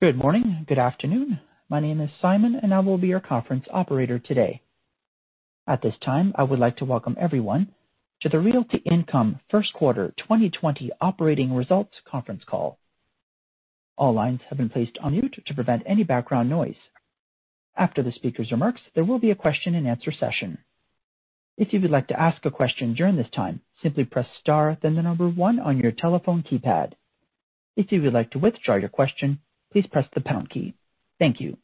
Good morning. Good afternoon. My name is Simon, and I will be your conference operator today. At this time, I would like to welcome everyone to the Realty Income Q1 2020 Operating Results Conference Call. All lines have been placed on mute to prevent any background noise. After the speaker's remarks, there will be a question and answer session. If you would like to ask a question during this time, simply press star, then the number one on your telephone keypad. If you would like to withdraw your question, please press the pound key. Thank you.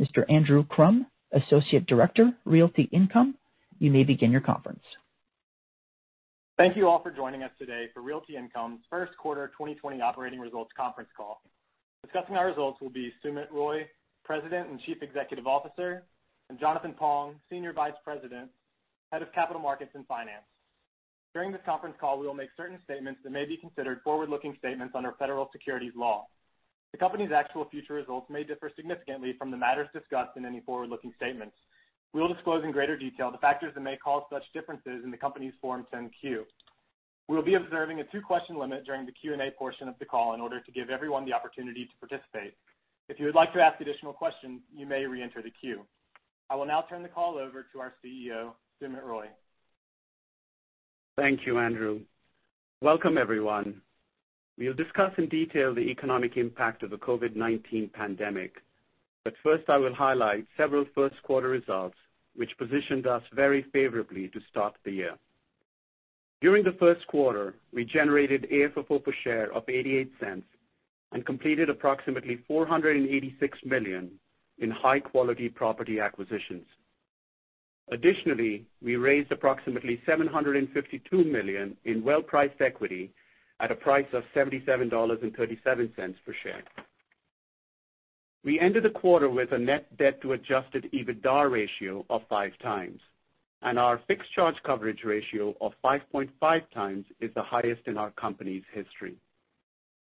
Mr. Andrew Crum, Associate Director, Realty Income, you may begin your conference. Thank you all for joining us today for Realty Income's Q1 2020 Operating Results Conference Call. Discussing our results will be Sumit Roy, President and Chief Executive Officer, and Jonathan Pong, Senior Vice President, Head of Capital Markets and Finance. During this conference call, we will make certain statements that may be considered forward-looking statements under federal securities law. The company's actual future results may differ significantly from the matters discussed in any forward-looking statements. We will disclose in greater detail the factors that may cause such differences in the company's Form 10-Q. We will be observing a two-question limit during the Q&A portion of the call in order to give everyone the opportunity to participate. If you would like to ask additional questions, you may re-enter the queue. I will now turn the call over to our CEO, Sumit Roy. Thank you, Andrew. Welcome, everyone. We'll discuss in detail the economic impact of the COVID-19 pandemic. First, I will highlight several Q1 results, which positioned us very favorably to start the year. During the Q1, we generated AFFO per share of $0.88 and completed approximately $486 million in high-quality property acquisitions. Additionally, we raised approximately $752 million in well-priced equity at a price of $77.37 per share. We ended the quarter with a net debt to adjusted EBITDA ratio of five times, and our fixed charge coverage ratio of 5.5 times is the highest in our company's history.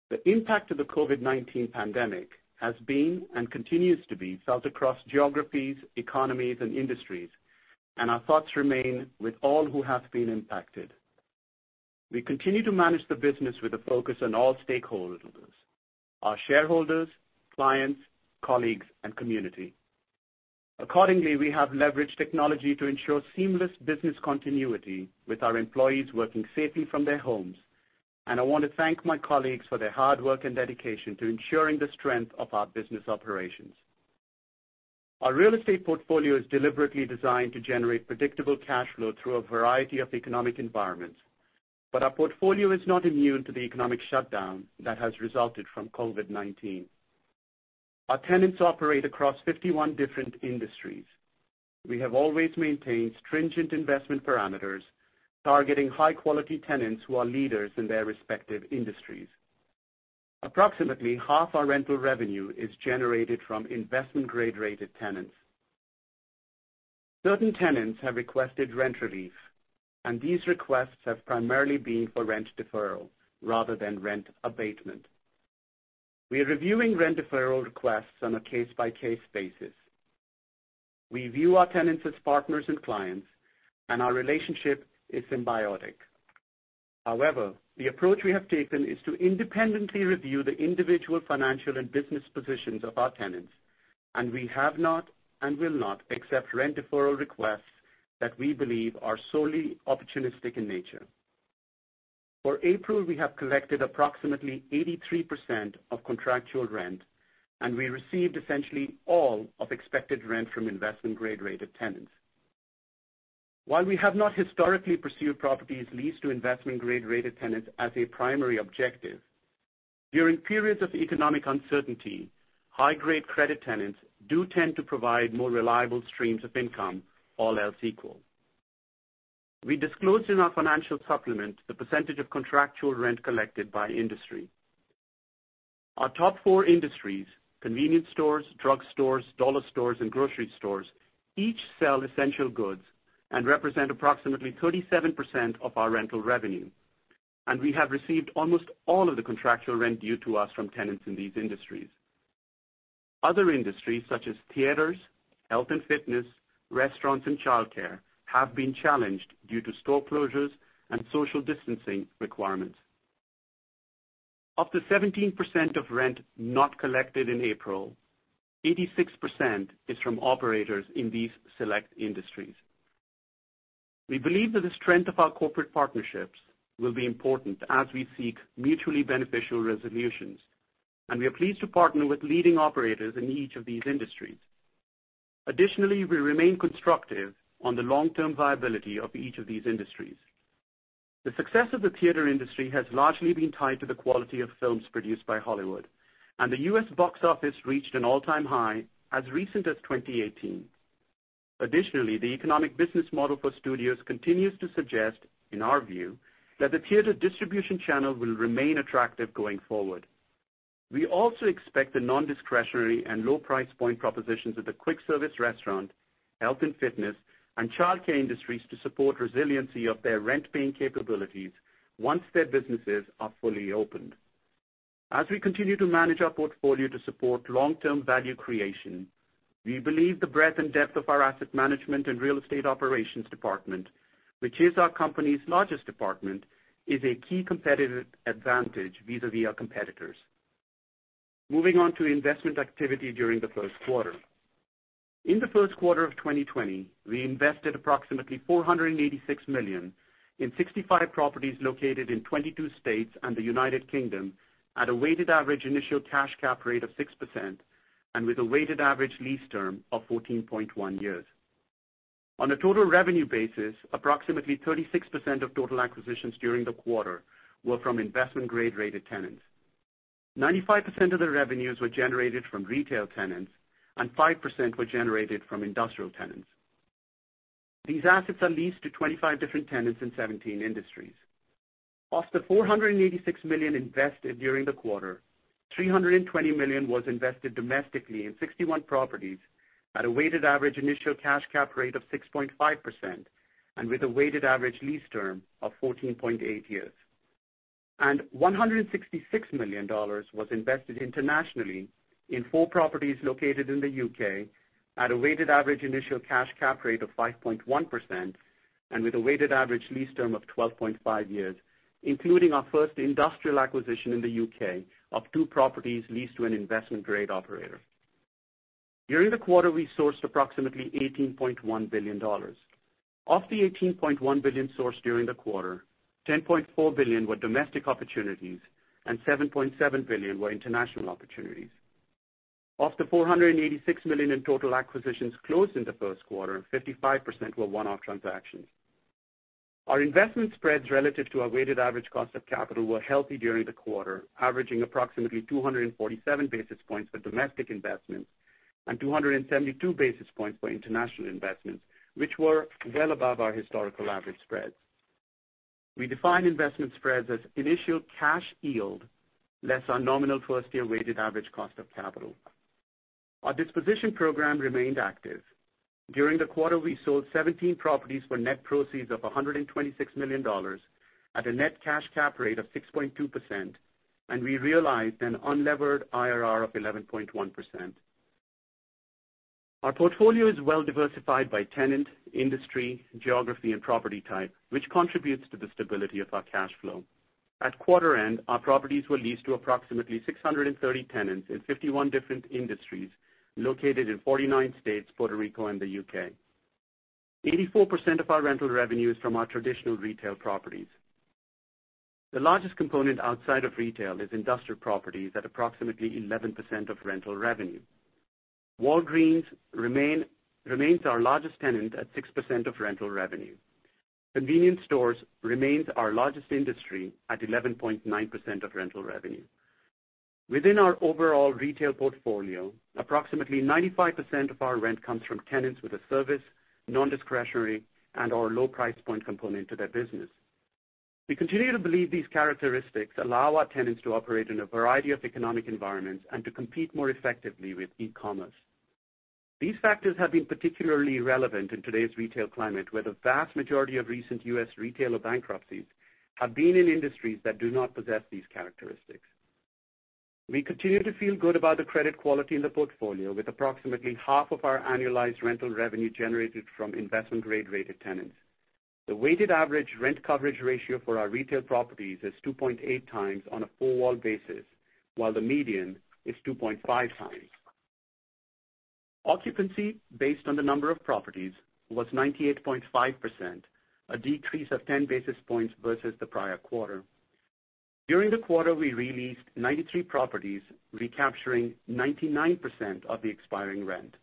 The impact of the COVID-19 pandemic has been, and continues to be, felt across geographies, economies, and industries, and our thoughts remain with all who have been impacted. We continue to manage the business with a focus on all stakeholders, our shareholders, clients, colleagues, and community. Accordingly, we have leveraged technology to ensure seamless business continuity with our employees working safely from their homes, and I want to thank my colleagues for their hard work and dedication to ensuring the strength of our business operations. Our real estate portfolio is deliberately designed to generate predictable cash flow through a variety of economic environments, but our portfolio is not immune to the economic shutdown that has resulted from COVID-19. Our tenants operate across 51 different industries. We have always maintained stringent investment parameters, targeting high-quality tenants who are leaders in their respective industries. Approximately half our rental revenue is generated from investment-grade-rated tenants. Certain tenants have requested rent relief, and these requests have primarily been for rent deferral rather than rent abatement. We are reviewing rent deferral requests on a case-by-case basis. We view our tenants as partners and clients, and our relationship is symbiotic. However, the approach we have taken is to independently review the individual financial and business positions of our tenants, and we have not and will not accept rent deferral requests that we believe are solely opportunistic in nature. For April, we have collected approximately 83% of contractual rent, and we received essentially all of expected rent from investment-grade-rated tenants. While we have not historically pursued properties leased to investment-grade-rated tenants as a primary objective, during periods of economic uncertainty, high-grade credit tenants do tend to provide more reliable streams of income, all else equal. We disclosed in our financial supplement the percentage of contractual rent collected by industry. Our top four industries, convenience stores, drug stores, dollar stores, and grocery stores, each sell essential goods and represent approximately 37% of our rental revenue. We have received almost all of the contractual rent due to us from tenants in these industries. Other industries such as theaters, health and fitness, restaurants, and childcare have been challenged due to store closures and social distancing requirements. Of the 17% of rent not collected in April, 86% is from operators in these select industries. We believe that the strength of our corporate partnerships will be important as we seek mutually beneficial resolutions, and we are pleased to partner with leading operators in each of these industries. Additionally, we remain constructive on the long-term viability of each of these industries. The success of the theater industry has largely been tied to the quality of films produced by Hollywood, and the U.S. box office reached an all-time high as recent as 2018. Additionally, the economic business model for studios continues to suggest, in our view, that the theater distribution channel will remain attractive going forward. We also expect the non-discretionary and low price point propositions of the quick service restaurant, health and fitness, and childcare industries to support resiliency of their rent-paying capabilities once their businesses are fully opened. As we continue to manage our portfolio to support long-term value creation. We believe the breadth and depth of our asset management and real estate operations department, which is our company's largest department, is a key competitive advantage vis-a-vis our competitors. Moving on to investment activity during the first quarter. In the Q1 of 2020, we invested approximately $486 million in 65 properties located in 22 states and the U.K. at a weighted average initial cash cap rate of 6% and with a weighted average lease term of 14.1 years. On a total revenue basis, approximately 36% of total acquisitions during the quarter were from investment-grade-rated tenants. 95% of the revenues were generated from retail tenants, and 5% were generated from industrial tenants. These assets are leased to 25 different tenants in 17 industries. Of the $486 million invested during the quarter, $320 million was invested domestically in 61 properties at a weighted average initial cash cap rate of 6.5% and with a weighted average lease term of 14.8 years. $166 million was invested internationally in four properties located in the U.K. at a weighted average initial cash cap rate of 5.1% and with a weighted average lease term of 12.5 years, including our first industrial acquisition in the U.K. of two properties leased to an investment-grade operator. During the quarter, we sourced approximately $18.1 billion. Of the $18.1 billion sourced during the quarter, $10.4 billion were domestic opportunities and $7.7 billion were international opportunities. Of the $486 million in total acquisitions closed in the Q1, 55% were one-off transactions. Our investment spreads relative to our weighted average cost of capital were healthy during the quarter, averaging approximately 247 basis points for domestic investments and 272 basis points for international investments, which were well above our historical average spreads. We define investment spreads as initial cash yield less our nominal first-year weighted average cost of capital. Our disposition program remained active. During the quarter, we sold 17 properties for net proceeds of $126 million at a net cash cap rate of 6.2%, and we realized an unlevered IRR of 11.1%. Our portfolio is well diversified by tenant, industry, geography, and property type, which contributes to the stability of our cash flow. At quarter end, our properties were leased to approximately 630 tenants in 51 different industries located in 49 states, Puerto Rico, and the U.K. 84% of our rental revenue is from our traditional retail properties. The largest component outside of retail is industrial properties at approximately 11% of rental revenue. Walgreens remains our largest tenant at 6% of rental revenue. Convenience stores remains our largest industry at 11.9% of rental revenue. Within our overall retail portfolio, approximately 95% of our rent comes from tenants with a service, non-discretionary, and/or low price point component to their business. We continue to believe these characteristics allow our tenants to operate in a variety of economic environments and to compete more effectively with e-commerce. These factors have been particularly relevant in today's retail climate, where the vast majority of recent U.S. retailer bankruptcies have been in industries that do not possess these characteristics. We continue to feel good about the credit quality in the portfolio, with approximately half of our annualized rental revenue generated from investment grade rated tenants. The weighted average rent coverage ratio for our retail properties is 2.8 times on a full year basis, while the median is 2.5 times. Occupancy based on the number of properties was 98.5%, a decrease of 10 basis points versus the prior quarter. During the quarter, we re-leased 93 properties, recapturing 99% of the expiring rent.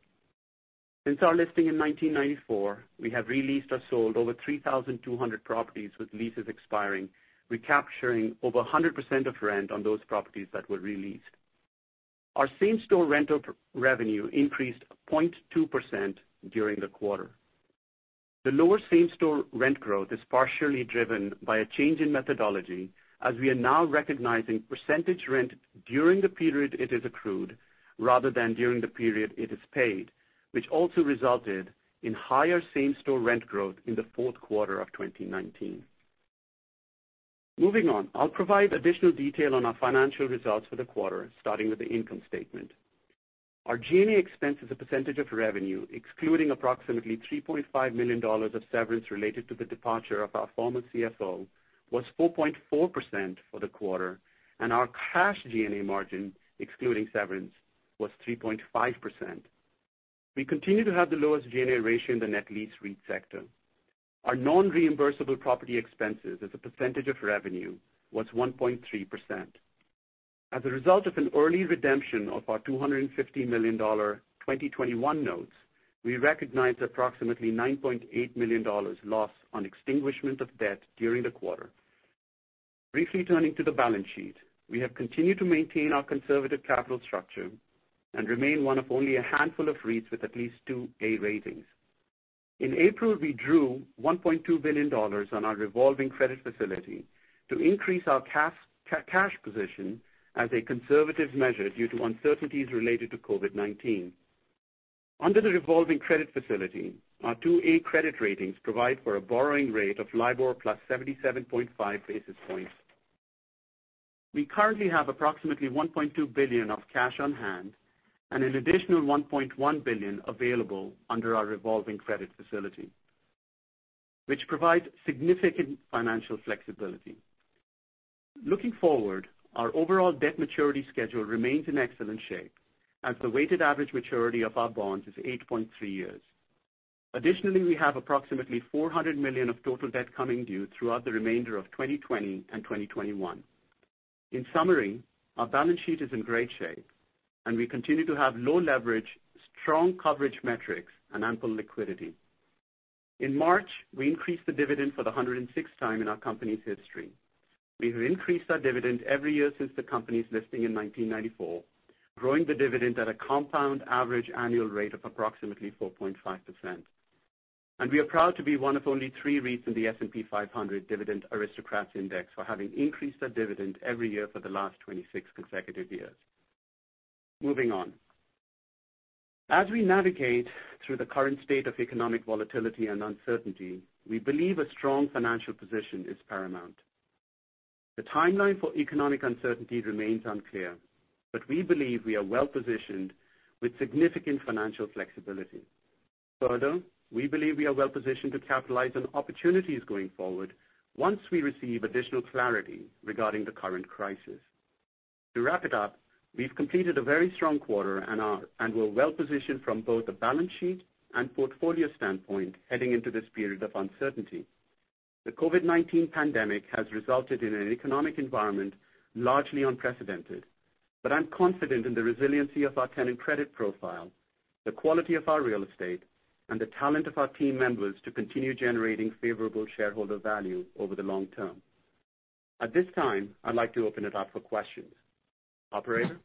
Since our listing in 1994, we have re-leased or sold over 3,200 properties with leases expiring, recapturing over 100% of rent on those properties that were re-leased. Our same-store rental revenue increased 0.2% during the quarter. The lower same-store rent growth is partially driven by a change in methodology, as we are now recognizing percentage rent during the period it is accrued rather than during the period it is paid, which also resulted in higher same-store rent growth in the Q4 of 2019. Moving on, I'll provide additional detail on our financial results for the quarter, starting with the income statement. Our G&A expense as a percentage of revenue, excluding approximately $3.5 million of severance related to the departure of our former CFO, was 4.4% for the quarter, and our cash G&A margin, excluding severance, was 3.5%. We continue to have the lowest G&A ratio in the net lease REIT sector. Our non-reimbursable property expenses as a percentage of revenue was 1.3%. As a result of an early redemption of our $250 million 2021 notes, we recognized approximately $9.8 million loss on extinguishment of debt during the quarter. Briefly turning to the balance sheet. We have continued to maintain our conservative capital structure and remain one of only a handful of REITs with at least two A ratings. In April, we drew $1.2 billion on our revolving credit facility to increase our cash position as a conservative measure due to uncertainties related to COVID-19. Under the revolving credit facility, our two A credit ratings provide for a borrowing rate of LIBOR plus 77.5 basis points. We currently have approximately $1.2 billion of cash on hand and an additional $1.1 billion available under our revolving credit facility, which provides significant financial flexibility. Looking forward, our overall debt maturity schedule remains in excellent shape, as the weighted average maturity of our bonds is 8.3 years. Additionally, we have approximately $400 million of total debt coming due throughout the remainder of 2020 and 2021. In summary, our balance sheet is in great shape, we continue to have low leverage, strong coverage metrics, and ample liquidity. In March, we increased the dividend for the 106th time in our company's history. We have increased our dividend every year since the company's listing in 1994, growing the dividend at a compound average annual rate of approximately 4.5%. We are proud to be one of only three REITs in the S&P 500 Dividend Aristocrats Index for having increased our dividend every year for the last 26 consecutive years. Moving on. As we navigate through the current state of economic volatility and uncertainty, we believe a strong financial position is paramount. The timeline for economic uncertainty remains unclear, we believe we are well-positioned with significant financial flexibility. Further, we believe we are well-positioned to capitalize on opportunities going forward once we receive additional clarity regarding the current crisis. To wrap it up, we've completed a very strong quarter and we're well-positioned from both a balance sheet and portfolio standpoint, heading into this period of uncertainty. The COVID-19 pandemic has resulted in an economic environment largely unprecedented, but I'm confident in the resiliency of our tenant credit profile, the quality of our real estate, and the talent of our team members to continue generating favorable shareholder value over the long term. At this time, I'd like to open it up for questions. Operator?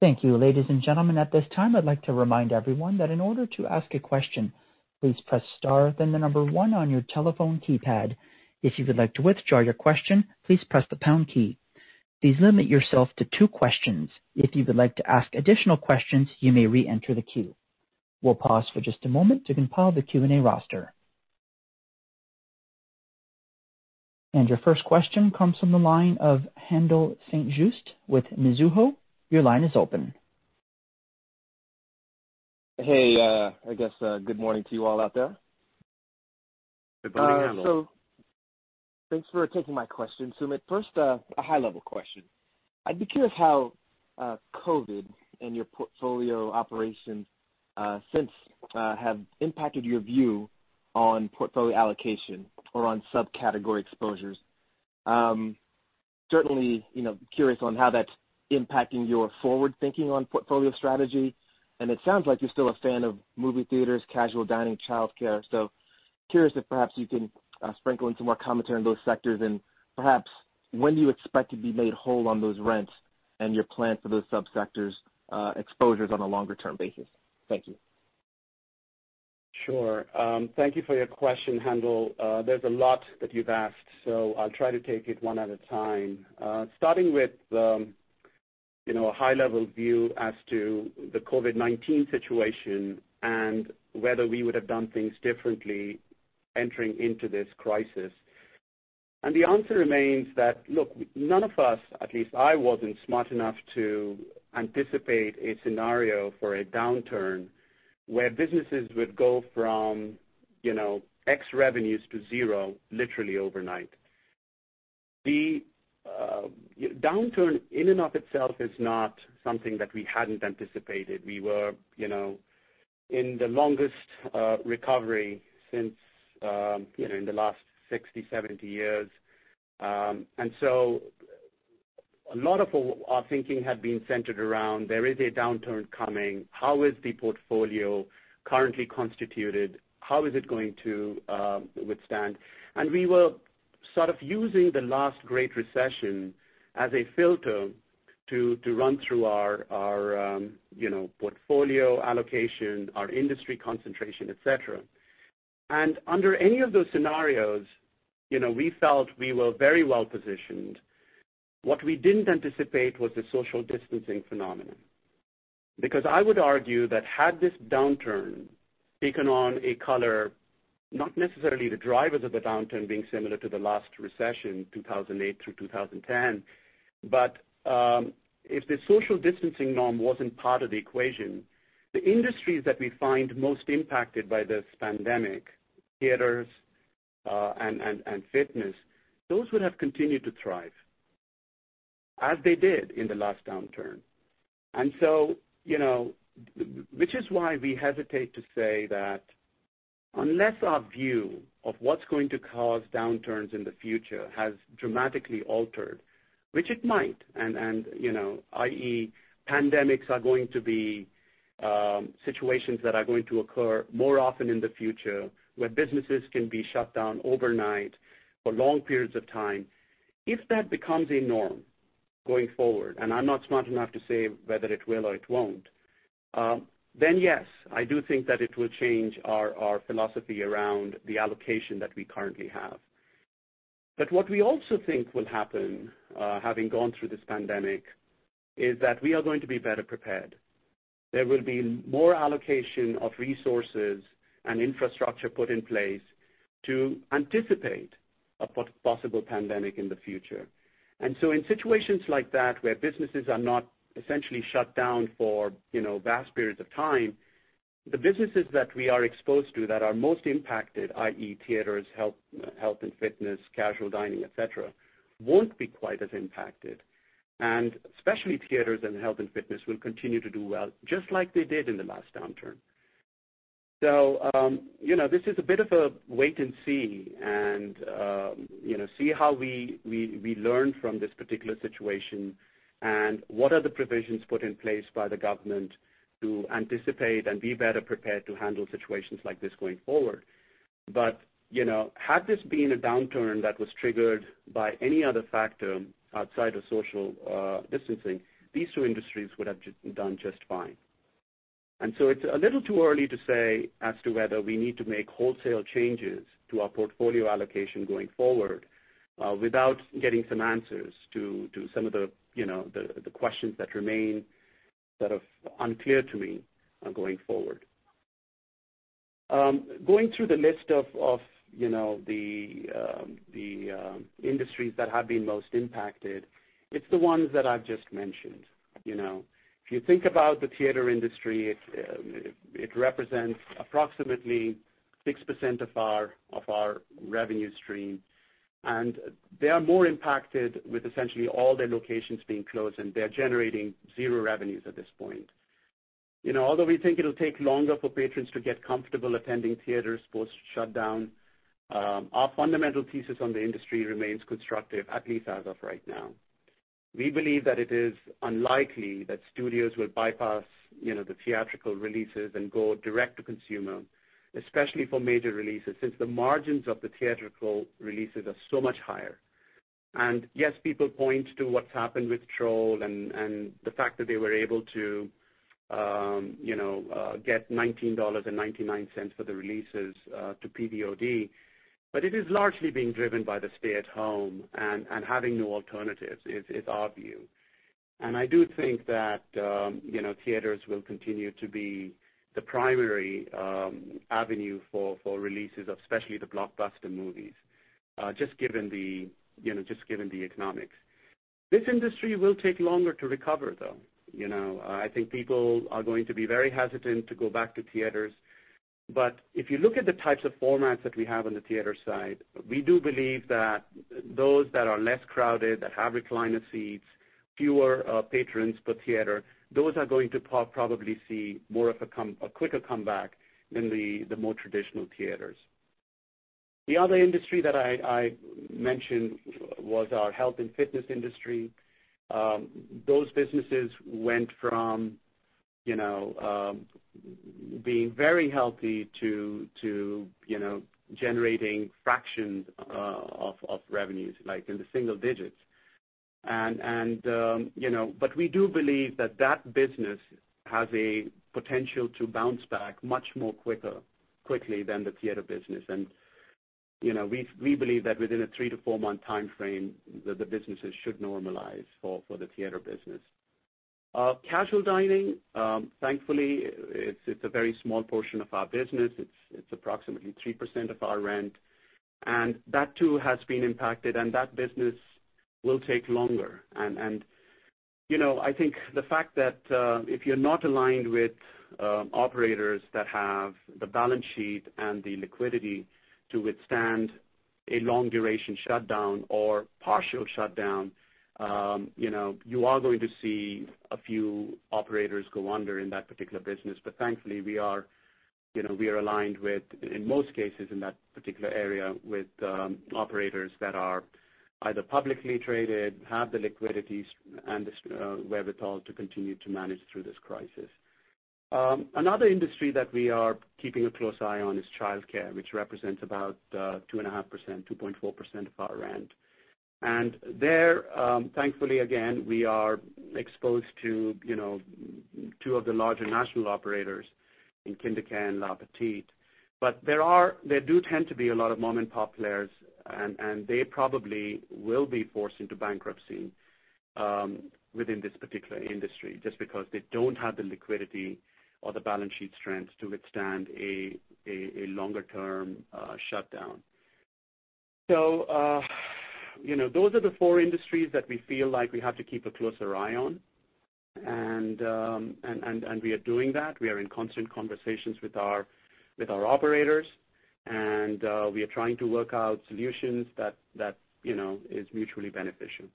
Thank you. Ladies and gentlemen, at this time, I'd like to remind everyone that in order to ask a question, please press star then the number one on your telephone keypad. If you would like to withdraw your question, please press the pound key. Please limit yourself to two questions. If you would like to ask additional questions, you may reenter the queue. We'll pause for just a moment to compile the Q&A roster. Your first question comes from the line of Haendel St. Juste with Mizuho. Your line is open. Hey, I guess good morning to you all out there. Good morning, Haendel. Thanks for taking my question. Sumit, first, a high-level question. I'd be curious how COVID-19 and your portfolio operations since have impacted your view on portfolio allocation or on subcategory exposures. Certainly curious on how that's impacting your forward thinking on portfolio strategy, and it sounds like you're still a fan of movie theaters, casual dining, childcare. Curious if perhaps you can sprinkle in some more commentary on those sectors, and perhaps when do you expect to be made whole on those rents and your plans for those subsectors' exposures on a longer-term basis? Thank you. Sure. Thank you for your question, Haendel. There's a lot that you've asked. I'll try to take it one at a time. Starting with a high-level view as to the COVID-19 situation and whether we would have done things differently entering into this crisis. The answer remains that look, none of us, at least I wasn't smart enough to anticipate a scenario for a downturn where businesses would go from X revenues to zero literally overnight. The downturn in and of itself is not something that we hadn't anticipated. We were in the longest recovery in the last 60, 70 years. A lot of our thinking had been centered around there is a downturn coming. How is the portfolio currently constituted? How is it going to withstand? We were sort of using the last great recession as a filter to run through our portfolio allocation, our industry concentration, et cetera. Under any of those scenarios, we felt we were very well-positioned. What we didn't anticipate was the social distancing phenomenon. I would argue that had this downturn taken on a color, not necessarily the drivers of the downturn being similar to the last recession, 2008 through 2010, but if the social distancing norm wasn't part of the equation, the industries that we find most impacted by this pandemic, theaters and fitness, those would have continued to thrive as they did in the last downturn. Which is why we hesitate to say that unless our view of what's going to cause downturns in the future has dramatically altered, which it might. Pandemics are going to be situations that are going to occur more often in the future where businesses can be shut down overnight for long periods of time. If that becomes a norm going forward, and I'm not smart enough to say whether it will or it won't, then yes, I do think that it will change our philosophy around the allocation that we currently have. What we also think will happen, having gone through this pandemic, is that we are going to be better prepared. There will be more allocation of resources and infrastructure put in place to anticipate a possible pandemic in the future. In situations like that, where businesses are not essentially shut down for vast periods of time, the businesses that we are exposed to that are most impacted, i.e., theaters, health and fitness, casual dining, et cetera, won't be quite as impacted. Especially theaters and health and fitness will continue to do well, just like they did in the last downturn. This is a bit of a wait and see, and see how we learn from this particular situation, and what are the provisions put in place by the government to anticipate and be better prepared to handle situations like this going forward. Had this been a downturn that was triggered by any other factor outside of social distancing, these two industries would have done just fine. It's a little too early to say as to whether we need to make wholesale changes to our portfolio allocation going forward without getting some answers to some of the questions that remain that are unclear to me going forward. Going through the list of the industries that have been most impacted, it's the ones that I've just mentioned. If you think about the theater industry, it represents approximately 6% of our revenue stream, and they are more impacted with essentially all their locations being closed, and they're generating zero revenues at this point. Although we think it'll take longer for patrons to get comfortable attending theaters post-shutdown, our fundamental thesis on the industry remains constructive, at least as of right now. We believe that it is unlikely that studios will bypass the theatrical releases and go direct to consumer, especially for major releases, since the margins of the theatrical releases are so much higher. Yes, people point to what's happened with "Troll" and the fact that they were able to get $19.99 for the releases to PVOD. It is largely being driven by the stay-at-home and having no alternatives, is our view. I do think that theaters will continue to be the primary avenue for releases, especially the blockbuster movies, just given the economics. This industry will take longer to recover, though. I think people are going to be very hesitant to go back to theaters. If you look at the types of formats that we have on the theater side, we do believe that those that are less crowded, that have recliner seats, fewer patrons per theater, those are going to probably see more of a quicker comeback than the more traditional theaters. The other industry that I mentioned was our health and fitness industry. Those businesses went from being very healthy to generating fractions of revenues, like in the single digits. We do believe that that business has a potential to bounce back much more quickly than the theater business. We believe that within a three-to-four-month timeframe, the businesses should normalize for the theater business. Casual dining, thankfully, it's a very small portion of our business. It's approximately 3% of our rent, and that too has been impacted, and that business will take longer. I think the fact that if you're not aligned with operators that have the balance sheet and the liquidity to withstand a long-duration shutdown or partial shutdown, you are going to see a few operators go under in that particular business. Thankfully, we are aligned with, in most cases in that particular area, with operators that are either publicly traded, have the liquidity and the wherewithal to continue to manage through this crisis. Another industry that we are keeping a close eye on is childcare, which represents about 2.5%, 2.4% of our rent. Thankfully again, we are exposed to two of the larger national operators in KinderCare and La Petite. There do tend to be a lot of mom-and-pops, and they probably will be forced into bankruptcy within this particular industry just because they don't have the liquidity or the balance sheet strength to withstand a longer-term shutdown. Those are the four industries that we feel like we have to keep a closer eye on, and we are doing that. We are in constant conversations with our operators, and we are trying to work out solutions that is mutually beneficial.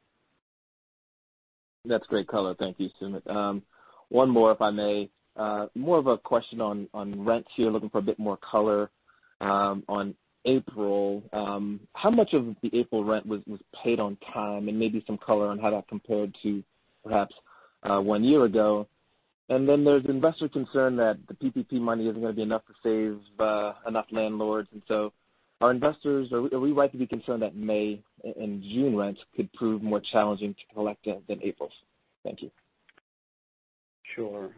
That's great color. Thank you, Sumit. One more, if I may. More of a question on rents here, looking for a bit more color on April. How much of the April rent was paid on time, and maybe some color on how that compared to perhaps one year ago. There's investor concern that the PPP money isn't going to be enough to save enough landlords, so are we right to be concerned that May and June rents could prove more challenging to collect than April's? Thank you. Sure.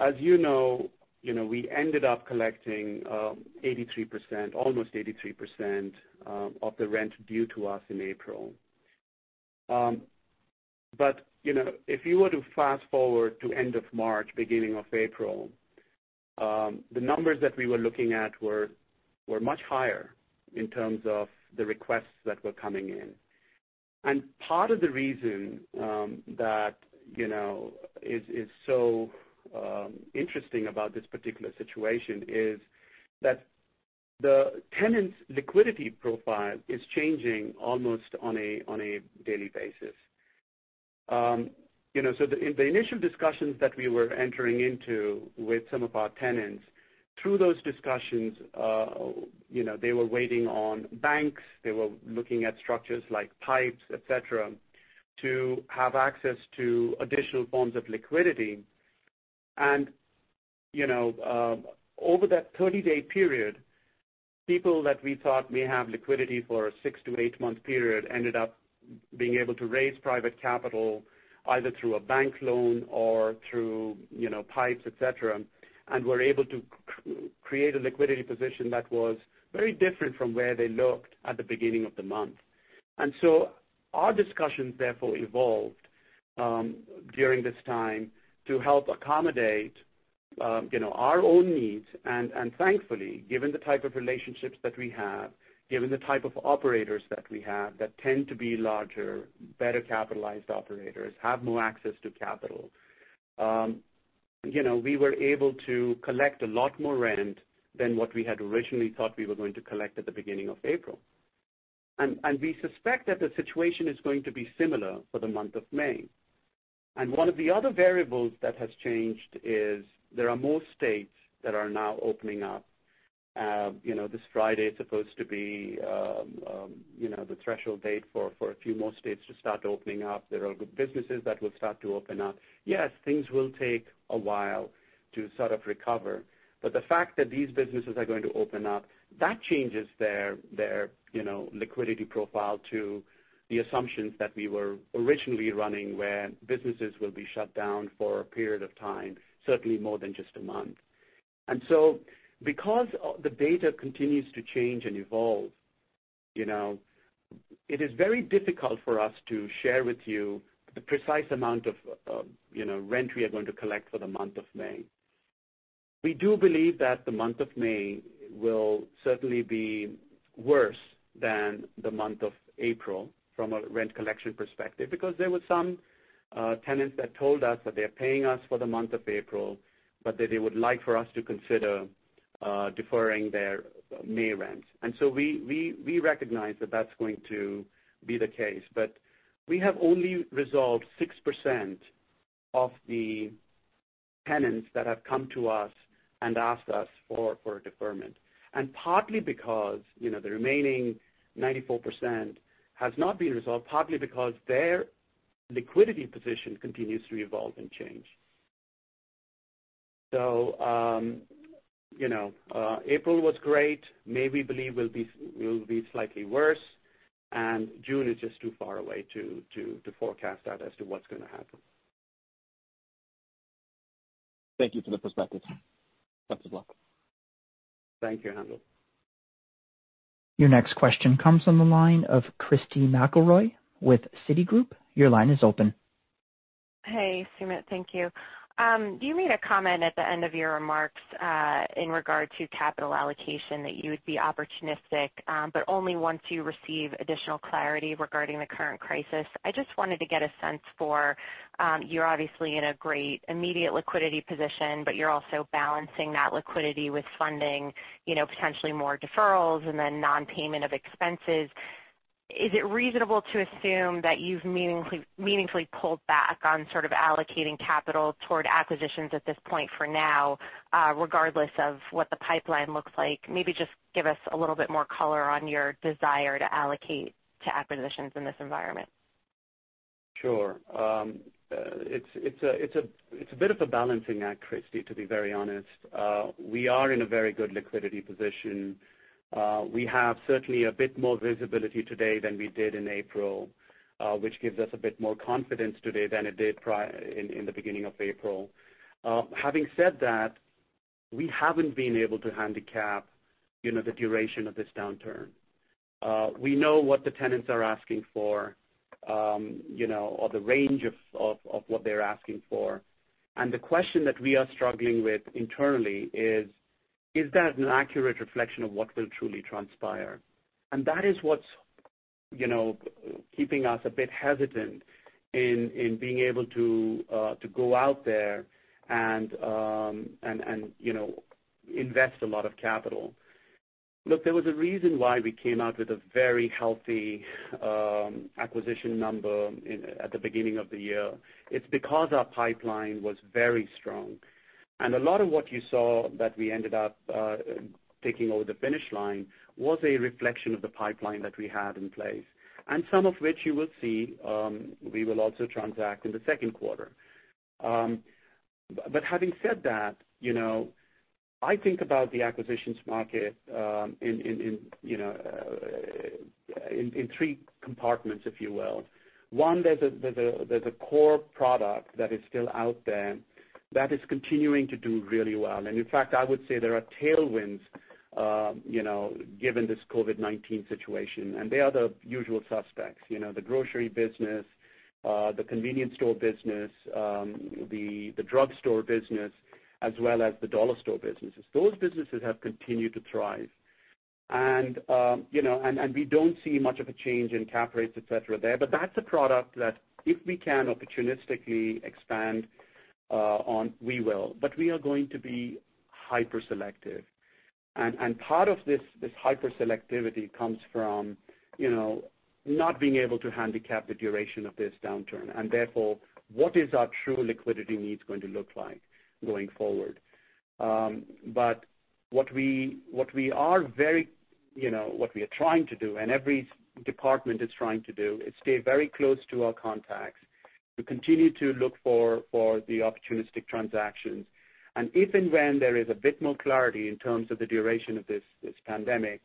As you know, we ended up collecting almost 83% of the rent due to us in April. If you were to fast-forward to end of March, beginning of April, the numbers that we were looking at were much higher in terms of the requests that were coming in. Part of the reason that is so interesting about this particular situation is that the tenants' liquidity profile is changing almost on a daily basis. In the initial discussions that we were entering into with some of our tenants, through those discussions, they were waiting on banks. They were looking at structures like PIPEs, et cetera, to have access to additional forms of liquidity. Over that 30-day period, people that we thought may have liquidity for a six to eight-month period ended up being able to raise private capital, either through a bank loan or through PIPEs, et cetera, and were able to create a liquidity position that was very different from where they looked at the beginning of the month. So our discussions therefore evolved during this time to help accommodate our own needs. Thankfully, given the type of relationships that we have, given the type of operators that we have that tend to be larger, better capitalized operators, have more access to capital, we were able to collect a lot more rent than what we had originally thought we were going to collect at the beginning of April. We suspect that the situation is going to be similar for the month of May. One of the other variables that has changed is there are more states that are now opening up. This Friday is supposed to be the threshold date for a few more states to start opening up. There are businesses that will start to open up. Yes, things will take a while to sort of recover, but the fact that these businesses are going to open up, that changes their liquidity profile to the assumptions that we were originally running where businesses will be shut down for a period of time, certainly more than just a month. Because the data continues to change and evolve, it is very difficult for us to share with you the precise amount of rent we are going to collect for the month of May. We do believe that the month of May will certainly be worse than the month of April from a rent collection perspective because there were some tenants that told us that they are paying us for the month of April, but that they would like for us to consider deferring their May rent. We recognize that that's going to be the case. We have only resolved 6% of the tenants that have come to us and asked us for a deferment. Partly because the remaining 94% has not been resolved, partly because their liquidity position continues to evolve and change. April was great. May we believe will be slightly worse, and June is just too far away to forecast out as to what's going to happen. Thank you for the perspective. Best of luck. Thank you, Haendel. Your next question comes on the line of Christy McElroy with Citigroup. Your line is open. Hey, Sumit. Thank you. You made a comment at the end of your remarks, in regard to capital allocation that you would be opportunistic, but only once you receive additional clarity regarding the current crisis. I just wanted to get a sense. You're obviously in a great immediate liquidity position, but you're also balancing that liquidity with funding potentially more deferrals and then non-payment of expenses. Is it reasonable to assume that you've meaningfully pulled back on sort of allocating capital toward acquisitions at this point for now, regardless of what the pipeline looks like? Maybe just give us a little bit more color on your desire to allocate to acquisitions in this environment. Sure. It's a bit of a balancing act, Christy, to be very honest. We are in a very good liquidity position. We have certainly a bit more visibility today than we did in April, which gives us a bit more confidence today than it did in the beginning of April. Having said that, we haven't been able to handicap the duration of this downturn. We know what the tenants are asking for, or the range of what they're asking for. The question that we are struggling with internally is, Is that an accurate reflection of what will truly transpire? That is what's keeping us a bit hesitant in being able to go out there and invest a lot of capital. Look, there was a reason why we came out with a very healthy acquisition number at the beginning of the year. It's because our pipeline was very strong. A lot of what you saw that we ended up taking over the finish line was a reflection of the pipeline that we had in place, and some of which you will see we will also transact in the second quarter. Having said that, I think about the acquisitions market in three compartments, if you will. One, there's a core product that is still out there that is continuing to do really well. In fact, I would say there are tailwinds given this COVID-19 situation, and they are the usual suspects. The grocery business, the convenience store business, the drugstore business, as well as the dollar store businesses. Those businesses have continued to thrive. We don't see much of a change in cap rates, et cetera, there. That's a product that if we can opportunistically expand on, we will. We are going to be hyper-selective. Part of this hyper-selectivity comes from not being able to handicap the duration of this downturn, and therefore, what is our true liquidity needs going to look like going forward? What we are trying to do, and every department is trying to do, is stay very close to our contacts, to continue to look for the opportunistic transactions. If and when there is a bit more clarity in terms of the duration of this pandemic,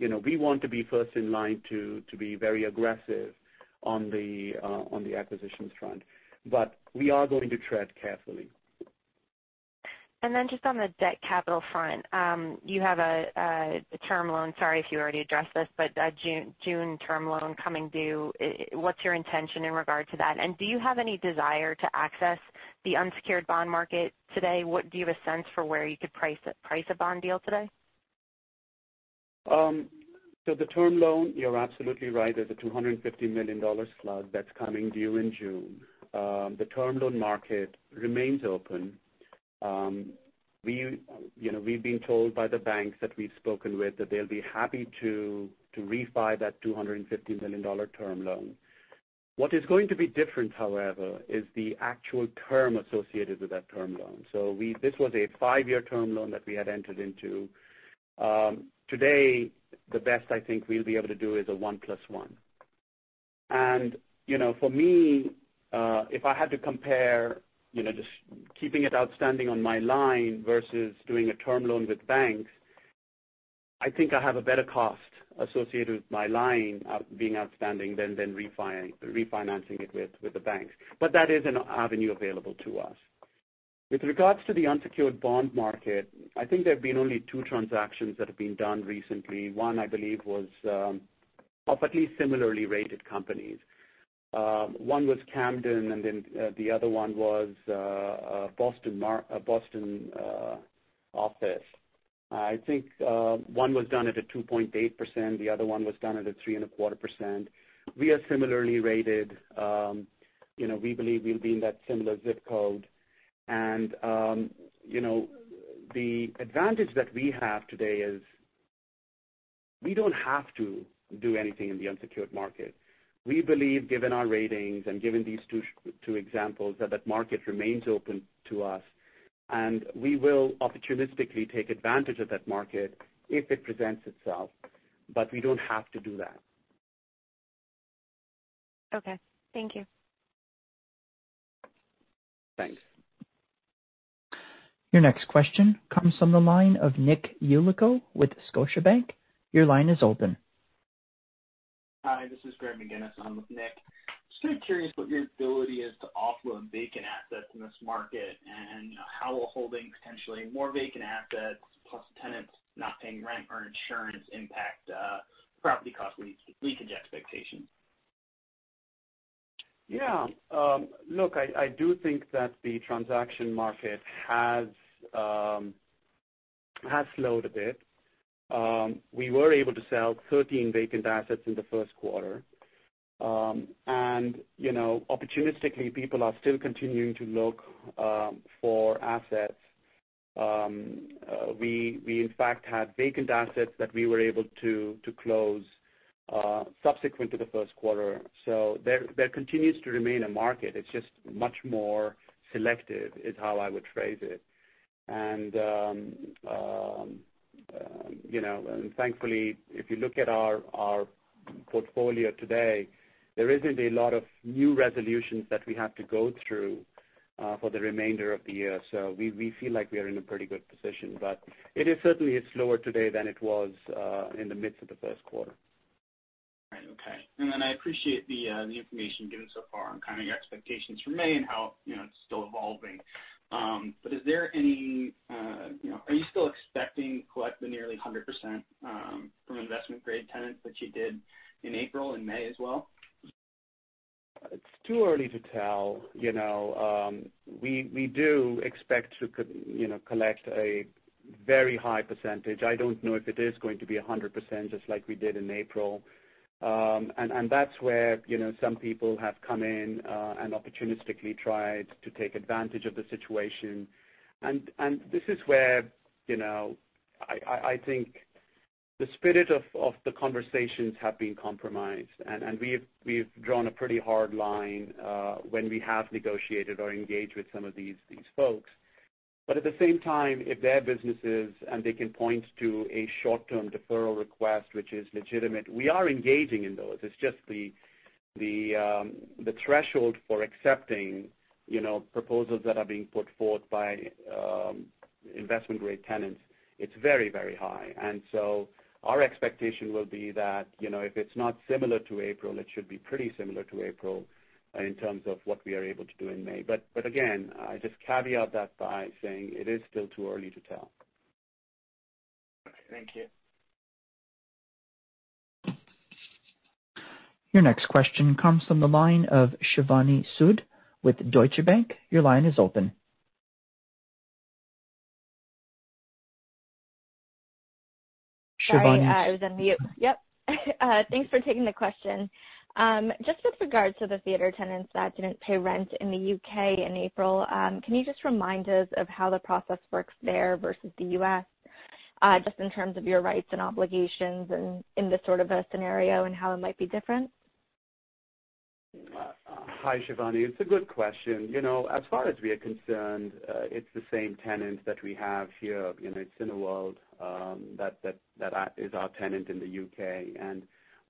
we want to be first in line to be very aggressive on the acquisitions front. We are going to tread carefully. Then just on the debt capital front, you have a term loan, sorry if you already addressed this, but a June term loan coming due. What's your intention in regard to that? Do you have any desire to access the unsecured bond market today? Do you have a sense for where you could price a bond deal today? The term loan, you're absolutely right. There's a $250 million slug that's coming due in June. The term loan market remains open. We've been told by the banks that we've spoken with that they'll be happy to refi that $250 million term loan. What is going to be different, however, is the actual term associated with that term loan. This was a five-year term loan that we had entered into. Today, the best I think we'll be able to do is a one plus one. For me, if I had to compare just keeping it outstanding on my line versus doing a term loan with banks, I think I have a better cost associated with my line being outstanding than refinancing it with the banks. That is an avenue available to us. With regards to the unsecured bond market, I think there have been only two transactions that have been done recently of at least similarly rated companies. One was Camden, and then the other one was Boston Properties. I think one was done at a 2.8%, the other one was done at a 3.25%. We are similarly rated. We believe we'll be in that similar ZIP code. The advantage that we have today is we don't have to do anything in the unsecured market. We believe, given our ratings and given these two examples, that that market remains open to us, and we will opportunistically take advantage of that market if it presents itself. We don't have to do that. Okay. Thank you. Thanks. Your next question comes from the line of Nick Yulico with Scotiabank. Your line is open. Hi, this is Greg McGinniss. I'm with Nick. Just kind of curious what your ability is to offload vacant assets in this market. How will holding potentially more vacant assets plus tenants not paying rent or insurance impact property cost leakage expectations? Yeah. Look, I do think that the transaction market has slowed a bit. We were able to sell 13 vacant assets in the first quarter. Opportunistically, people are still continuing to look for assets. We in fact had vacant assets that we were able to close subsequent to the Q1. There continues to remain a market. It's just much more selective is how I would phrase it. Thankfully, if you look at our portfolio today, there isn't a lot of new resolutions that we have to go through for the remainder of the year. We feel like we are in a pretty good position. It is certainly slower today than it was in the midst of the Q1. Right. Okay. I appreciate the information given so far on kind of your expectations for May and how it's still evolving. Are you still expecting to collect the nearly 100% from investment-grade tenants that you did in April and May as well? It's too early to tell. We do expect to collect a very high percentage. I don't know if it is going to be 100% just like we did in April. That's where some people have come in and opportunistically tried to take advantage of the situation. This is where I think the spirit of the conversations have been compromised, and we've drawn a pretty hard line when we have negotiated or engaged with some of these folks. At the same time, if their businesses and they can point to a short-term deferral request which is legitimate, we are engaging in those. The threshold for accepting proposals that are being put forth by investment-grade tenants, it's very, very high. Our expectation will be that, if it's not similar to April, it should be pretty similar to April in terms of what we are able to do in May. Again, I just caveat that by saying it is still too early to tell. Okay, thank you. Your next question comes from the line of Shivani Sood with Deutsche Bank. Your line is open. Shivani? Sorry, I was on mute. Yep. Thanks for taking the question. Just with regards to the theater tenants that didn't pay rent in the U.K. in April, can you just remind us of how the process works there versus the U.S., just in terms of your rights and obligations in this sort of a scenario and how it might be different? Hi, Shivani. It's a good question. As far as we are concerned, it's the same tenant that we have here, Cineworld, that is our tenant in the U.K.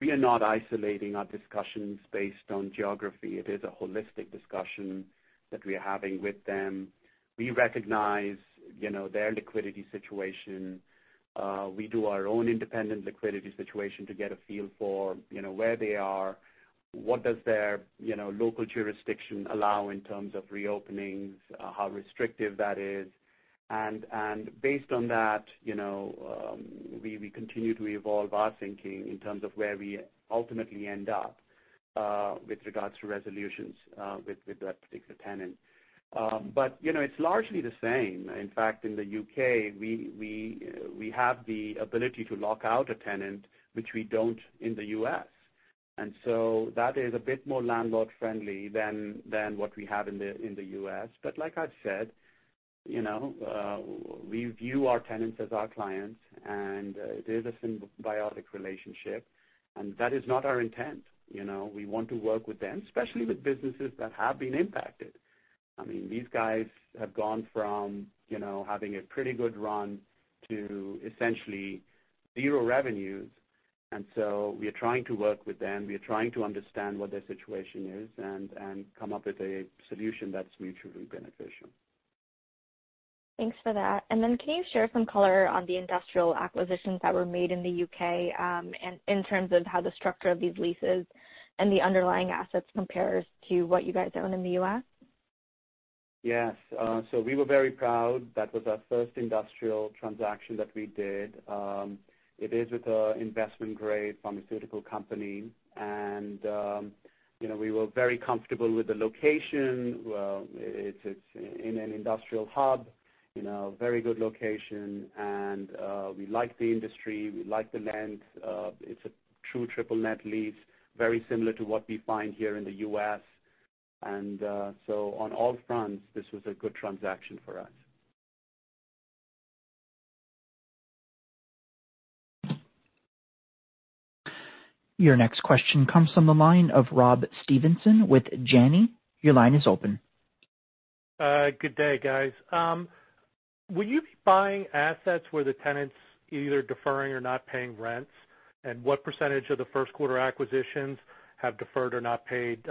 We are not isolating our discussions based on geography. It is a holistic discussion that we are having with them. We recognize their liquidity situation. We do our own independent liquidity situation to get a feel for where they are, what does their local jurisdiction allow in terms of reopenings, how restrictive that is. Based on that, we continue to evolve our thinking in terms of where we ultimately end up with regards to resolutions with that particular tenant. It's largely the same. In fact, in the U.K., we have the ability to lock out a tenant, which we don't in the U.S. That is a bit more landlord-friendly than what we have in the U.S. Like I said, we view our tenants as our clients, and it is a symbiotic relationship, and that is not our intent. We want to work with them, especially with businesses that have been impacted. I mean, these guys have gone from having a pretty good run to essentially zero revenues. We are trying to work with them. We are trying to understand what their situation is and come up with a solution that's mutually beneficial. Thanks for that. Then can you share some color on the industrial acquisitions that were made in the U.K. in terms of how the structure of these leases and the underlying assets compares to what you guys own in the U.S.? Yes. We were very proud. That was our first industrial transaction that we did. It is with an investment-grade pharmaceutical company, and we were very comfortable with the location. It's in an industrial hub, very good location, and we like the industry, we like the land. It's a true triple net lease, very similar to what we find here in the U.S. On all fronts, this was a good transaction for us. Your next question comes from the line of Rob Stevenson with Janney. Your line is open. Good day, guys. Will you be buying assets where the tenant's either deferring or not paying rents? What % of the first quarter acquisitions have deferred or not paid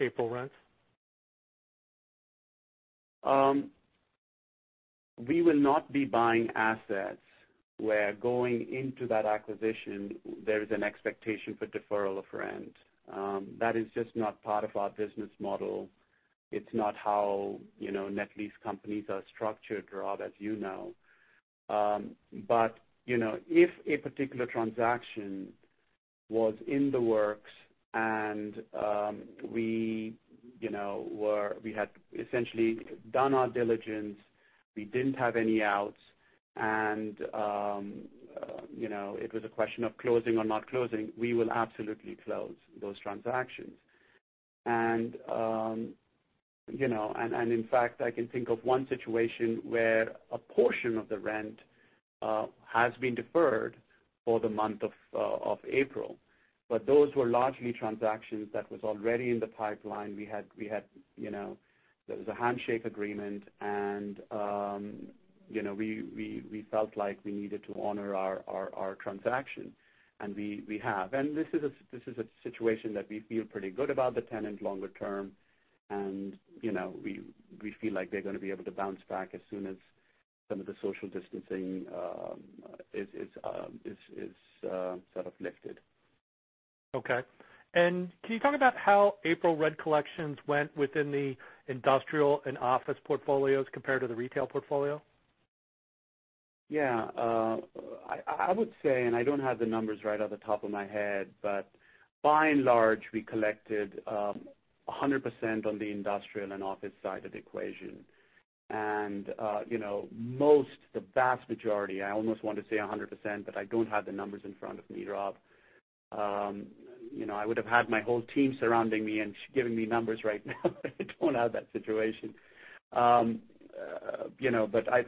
April rents? We will not be buying assets where going into that acquisition, there is an expectation for deferral of rent. That is just not part of our business model. It's not how net lease companies are structured, Rob, as you know. If a particular transaction was in the works and we had essentially done our diligence, we didn't have any outs, and it was a question of closing or not closing, we will absolutely close those transactions. In fact, I can think of one situation where a portion of the rent has been deferred for the month of April. Those were largely transactions that was already in the pipeline. There was a handshake agreement, and we felt like we needed to honor our transaction, and we have. This is a situation that we feel pretty good about the tenant longer term, and we feel like they're going to be able to bounce back as soon as some of the social distancing is sort of lifted. Okay. Can you talk about how April rent collections went within the industrial and office portfolios compared to the retail portfolio? I would say, and I don't have the numbers right off the top of my head, but by and large, we collected 100% on the industrial and office side of the equation. Most, the vast majority, I almost want to say 100%, but I don't have the numbers in front of me, Rob. I would have had my whole team surrounding me and giving me numbers right now, but I don't have that situation. I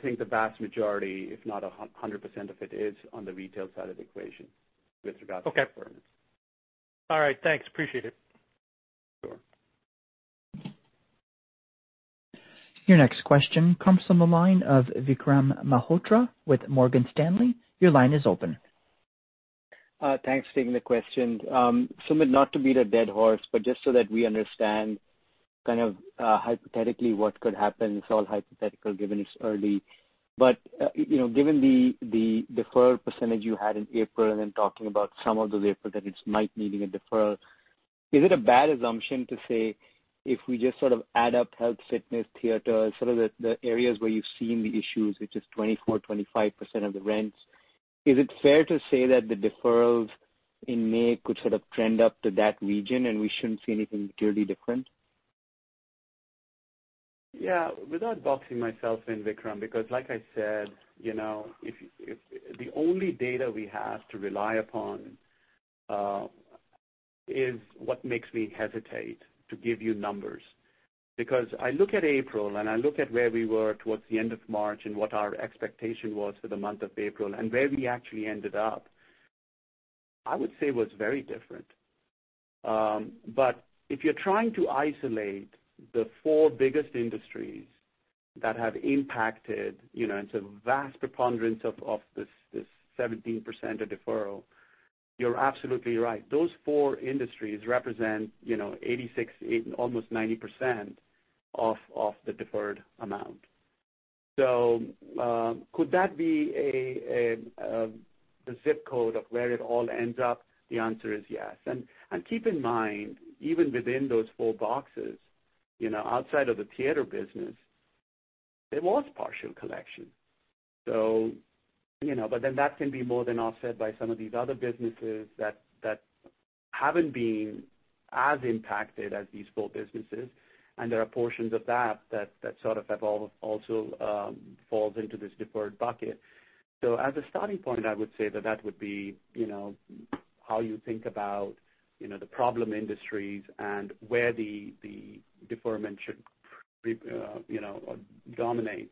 think the vast majority, if not 100% of it, is on the retail side of the equation with regards to rent. Okay. All right. Thanks, appreciate it. Your next question comes from the line of Vikram Malhotra with Morgan Stanley. Your line is open. Thanks for taking the question. Sumit, not to beat a dead horse, but just so that we understand hypothetically what could happen, it's all hypothetical given it's early. Given the deferral percentage you had in April, and then talking about some of those April tenants might needing a deferral, is it a bad assumption to say if we just sort of add up health, fitness, theater, sort of the areas where you've seen the issues, which is 24%, 25% of the rents? Is it fair to say that the deferrals in May could sort of trend up to that region and we shouldn't see anything materially different? Yeah. Without boxing myself in Vikram, like I said, the only data we have to rely upon is what makes me hesitate to give you numbers. I look at April and I look at where we were towards the end of March and what our expectation was for the month of April, and where we actually ended up, I would say was very different. If you're trying to isolate the four biggest industries that have impacted in terms of vast preponderance of this 17% of deferral, you're absolutely right. Those four industries represent 86, almost 90% of the deferred amount. Could that be a ZIP code of where it all ends up? The answer is yes. Keep in mind, even within those four boxes, outside of the theater business, there was partial collection. That can be more than offset by some of these other businesses that haven't been as impacted as these four businesses, and there are portions of that sort of have also falls into this deferred bucket. As a starting point, I would say that that would be how you think about the problem industries and where the deferment should dominate,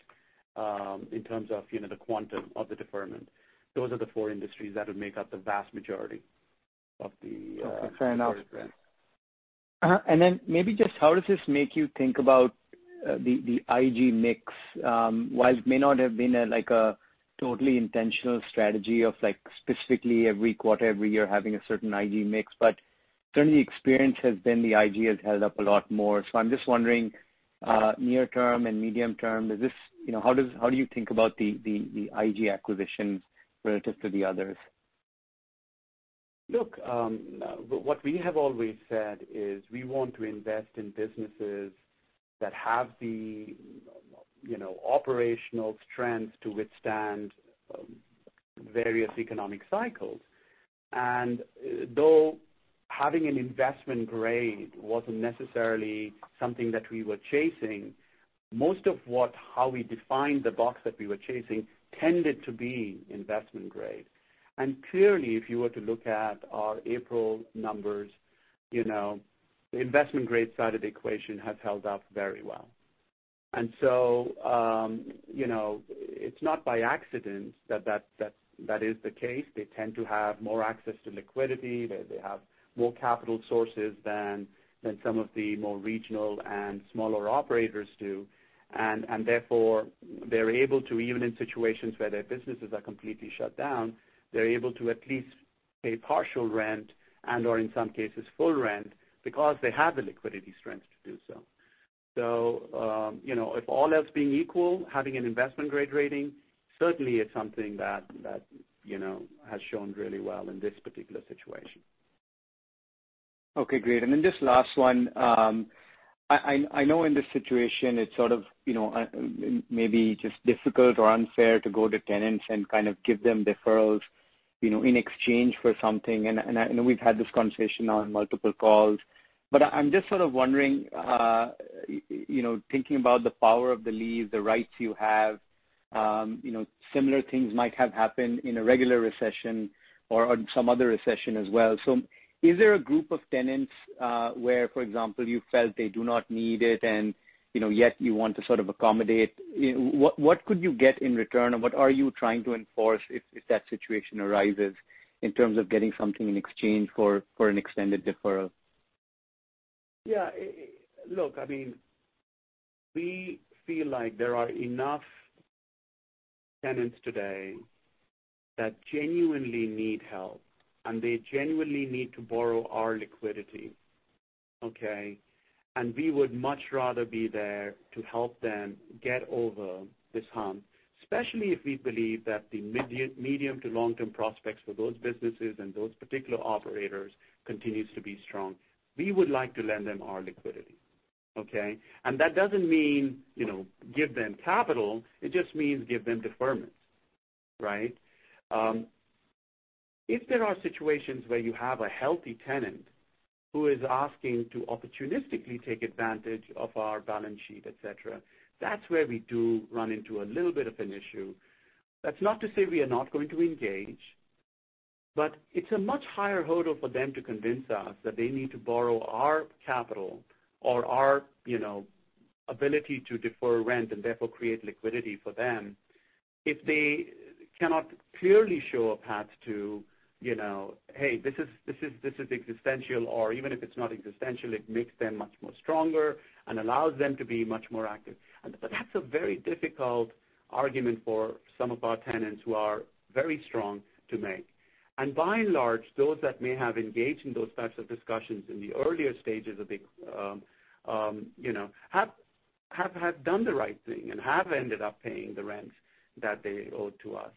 in terms of the quantum of the deferment. Those are the four industries that would make up the vast majority of the- Okay. Fair enough deferred rent. Maybe just how does this make you think about the IG mix? While it may not have been like a totally intentional strategy of specifically every quarter, every year having a certain IG mix, but certainly experience has been the IG has held up a lot more. I'm just wondering, near term and medium term, how do you think about the IG acquisitions relative to the others? Look, what we have always said is we want to invest in businesses that have the operational strength to withstand various economic cycles. Though having an investment grade wasn't necessarily something that we were chasing, most of how we defined the box that we were chasing tended to be investment grade. Clearly, if you were to look at our April numbers, the investment grade side of the equation has held up very well. It's not by accident that is the case. They tend to have more access to liquidity. They have more capital sources than some of the more regional and smaller operators do. Therefore, they're able to, even in situations where their businesses are completely shut down, they're able to at least pay partial rent and/or in some cases full rent because they have the liquidity strength to do so. If all else being equal, having an investment grade rating certainly is something that has shown really well in this particular situation. Okay, great. Just last one. I know in this situation, it's sort of maybe just difficult or unfair to go to tenants and kind of give them deferrals in exchange for something, and I know we've had this conversation on multiple calls. I'm just sort of wondering, thinking about the power of the lease, the rights you have, similar things might have happened in a regular recession or on some other recession as well. Is there a group of tenants where, for example, you felt they do not need it and yet you want to sort of accommodate? What could you get in return, and what are you trying to enforce if that situation arises in terms of getting something in exchange for an extended deferral? I mean, we feel like there are enough tenants today that genuinely need help, and they genuinely need to borrow our liquidity. Okay. We would much rather be there to help them get over this hump, especially if we believe that the medium to long-term prospects for those businesses and those particular operators continues to be strong. We would like to lend them our liquidity. Okay? That doesn't mean give them capital. It just means give them deferments. Right? If there are situations where you have a healthy tenant who is asking to opportunistically take advantage of our balance sheet, et cetera, that's where we do run into a little bit of an issue. That's not to say we are not going to engage, but it's a much higher hurdle for them to convince us that they need to borrow our capital or our ability to defer rent and therefore create liquidity for them. If they cannot clearly show a path to, hey, this is existential, or even if it's not existential, it makes them much more stronger and allows them to be much more active. That's a very difficult argument for some of our tenants who are very strong to make. By and large, those that may have engaged in those types of discussions in the earlier stages have done the right thing and have ended up paying the rents that they owed to us.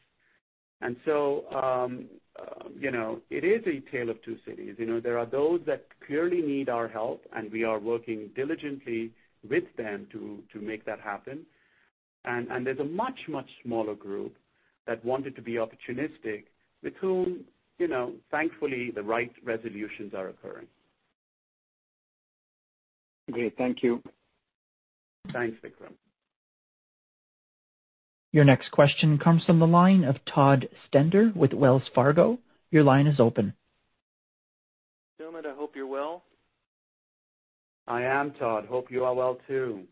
It is a tale of two cities. There are those that clearly need our help, and we are working diligently with them to make that happen, and there's a much, much smaller group that wanted to be opportunistic, with whom, thankfully, the right resolutions are occurring. Okay. Thank you. Thanks, Vikram. Your next question comes from the line of Todd Stender with Wells Fargo. Your line is open. Sumit, I hope you're well. I am, Todd. Hope you are well, too.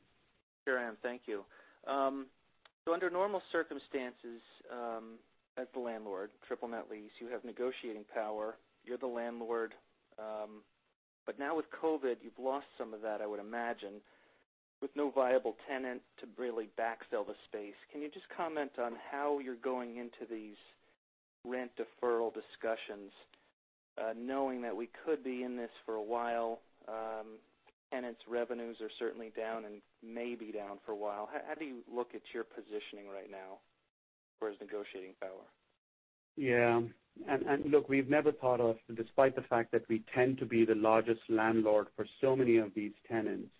Sure am. Thank you. Under normal circumstances, as the landlord, triple net lease, you have negotiating power. You're the landlord. Now with COVID-19, you've lost some of that, I would imagine, with no viable tenant to really backfill the space. Can you just comment on how you're going into these rent deferral discussions, knowing that we could be in this for a while. Tenants' revenues are certainly down and may be down for a while. How do you look at your positioning right now far as negotiating power? Yeah. Look, we've never thought of, despite the fact that we tend to be the largest landlord for so many of these tenants,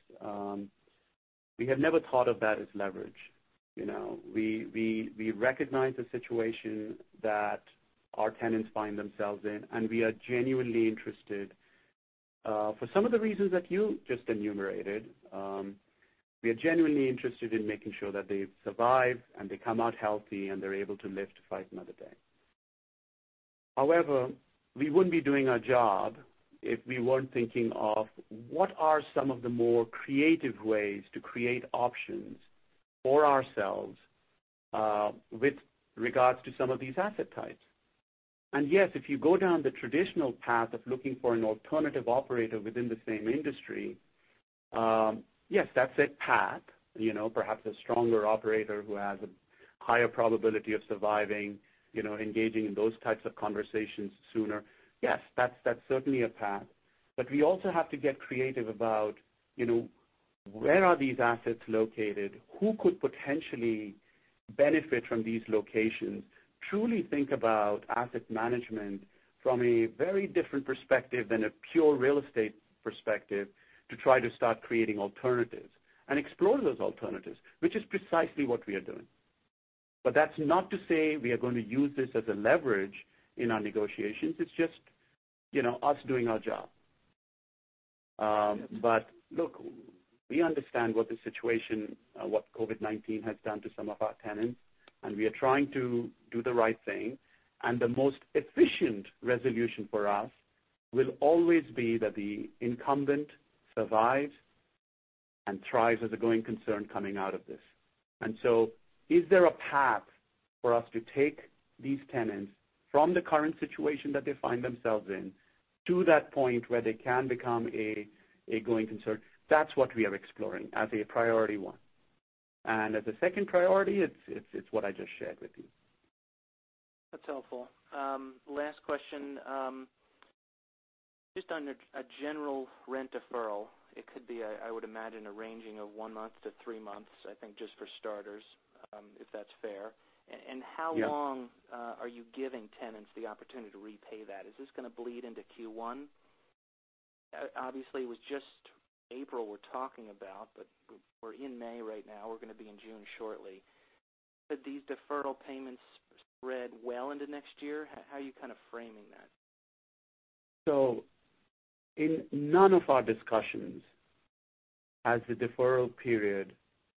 we have never thought of that as leverage. We recognize the situation that our tenants find themselves in. We are genuinely interested. For some of the reasons that you just enumerated, we are genuinely interested in making sure that they survive and they come out healthy, and they're able to live to fight another day. However, we wouldn't be doing our job if we weren't thinking of what are some of the more creative ways to create options for ourselves with regards to some of these asset types. Yes, if you go down the traditional path of looking for an alternative operator within the same industry, yes, that's a path. Perhaps a stronger operator who has a higher probability of surviving, engaging in those types of conversations sooner. Yes, that's certainly a path. We also have to get creative about where are these assets located, who could potentially benefit from these locations, truly think about asset management from a very different perspective than a pure real estate perspective to try to start creating alternatives and explore those alternatives, which is precisely what we are doing. That's not to say we are going to use this as a leverage in our negotiations. It's just us doing our job. Look, we understand what the situation, what COVID-19 has done to some of our tenants, and we are trying to do the right thing, and the most efficient resolution for us will always be that the incumbent survives and thrives as a going concern coming out of this. Is there a path for us to take these tenants from the current situation that they find themselves in to that point where they can become a going concern? That's what we are exploring as a priority 1. As a second priority, it's what I just shared with you. That's helpful. Last question. Just on a general rent deferral, it could be, I would imagine, a ranging of one month to three months, I think just for starters, if that's fair. Yeah. How long are you giving tenants the opportunity to repay that? Is this gonna bleed into Q1? Obviously, it was just April we're talking about, but we're in May right now. We're gonna be in June shortly. Could these deferral payments spread well into next year? How are you kind of framing that? In none of our discussions has the deferral period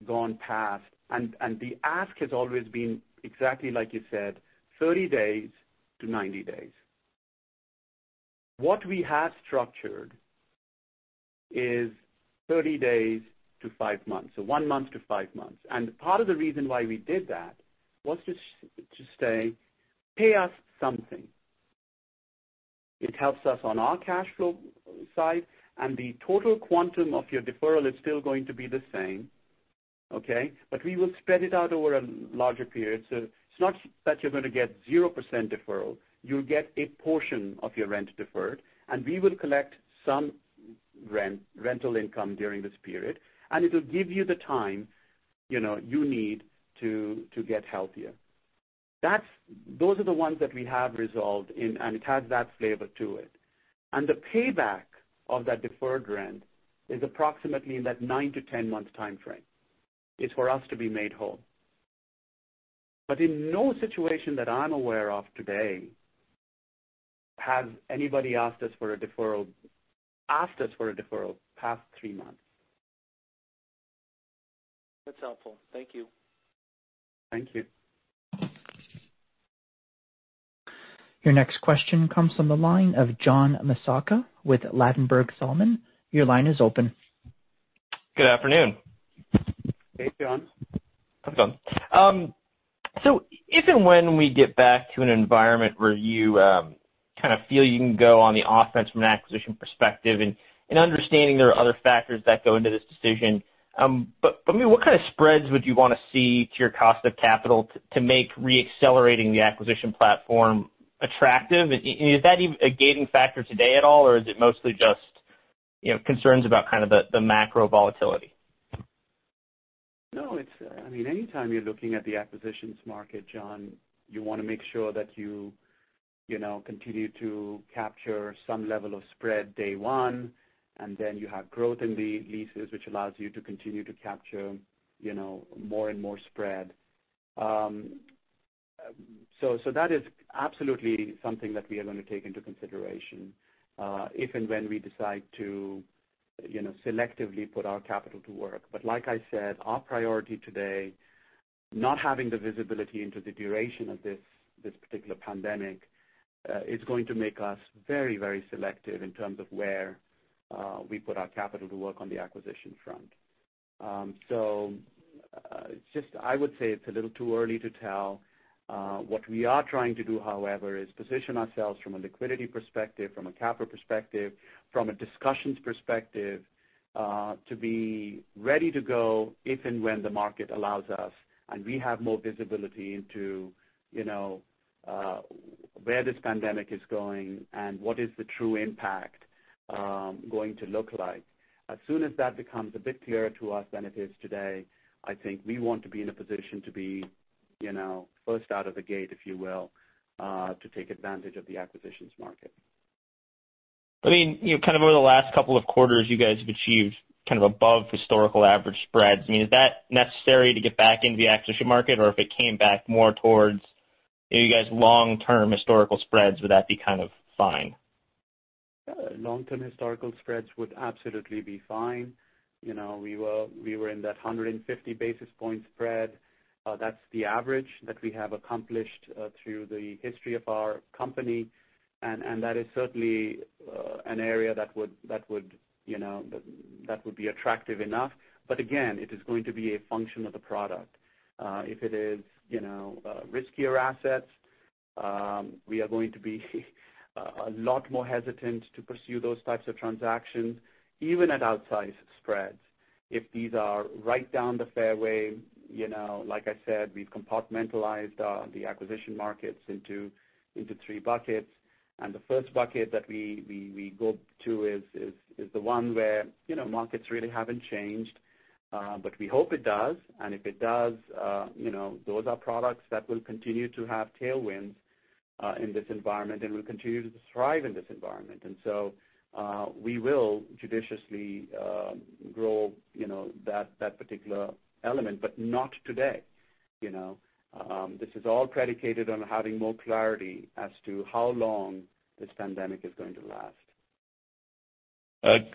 gone past. The ask has always been, exactly like you said, 30 days to 90 days. What we have structured is 30 days to five months. One month to five months. Part of the reason why we did that was to say, "Pay us something." It helps us on our cash flow side, and the total quantum of your deferral is still going to be the same, okay? We will spread it out over a larger period. It's not that you're going to get 0% deferral. You'll get a portion of your rent deferred, and we will collect some rental income during this period, and it'll give you the time you need to get healthier. Those are the ones that we have resolved, and it has that flavor to it. The payback of that deferred rent is approximately in that 9-10 months timeframe, is for us to be made whole. In no situation that I'm aware of today has anybody asked us for a deferral past three months. That's helpful. Thank you. Thank you. Your next question comes from the line of John Massocca with Ladenburg Thalmann. Your line is open. Good afternoon. Hey, John. If and when we get back to an environment where you feel you can go on the offense from an acquisition perspective, and understanding there are other factors that go into this decision, but for me, what kind of spreads would you want to see to your cost of capital to make re-accelerating the acquisition platform attractive? Is that even a gating factor today at all, or is it mostly just concerns about the macro volatility? No. Anytime you're looking at the acquisitions market, John, you want to make sure that you continue to capture some level of spread day one, and then you have growth in the leases, which allows you to continue to capture more and more spread. That is absolutely something that we are going to take into consideration if and when we decide to selectively put our capital to work. Like I said, our priority today, not having the visibility into the duration of this particular pandemic is going to make us very selective in terms of where we put our capital to work on the acquisition front. I would say it's a little too early to tell. What we are trying to do, however, is position ourselves from a liquidity perspective, from a capital perspective, from a discussions perspective to be ready to go if and when the market allows us and we have more visibility into where this pandemic is going and what is the true impact going to look like. As soon as that becomes a bit clearer to us than it is today, I think we want to be in a position to be first out of the gate, if you will to take advantage of the acquisitions market. Over the last couple of quarters, you guys have achieved above historical average spreads. Is that necessary to get back into the acquisition market? If it came back more towards your long-term historical spreads, would that be fine? Long-term historical spreads would absolutely be fine. We were in that 150 basis point spread. That's the average that we have accomplished through the history of our company, and that is certainly an area that would be attractive enough. Again, it is going to be a function of the product. If it is riskier assets, we are going to be a lot more hesitant to pursue those types of transactions, even at outsized spreads. If these are right down the fairway, like I said, we've compartmentalized the acquisition markets into 3 buckets. The first bucket that we go to is the one where markets really haven't changed. We hope it does, and if it does, those are products that will continue to have tailwinds in this environment and will continue to thrive in this environment. We will judiciously grow that particular element, but not today. This is all predicated on having more clarity as to how long this pandemic is going to last.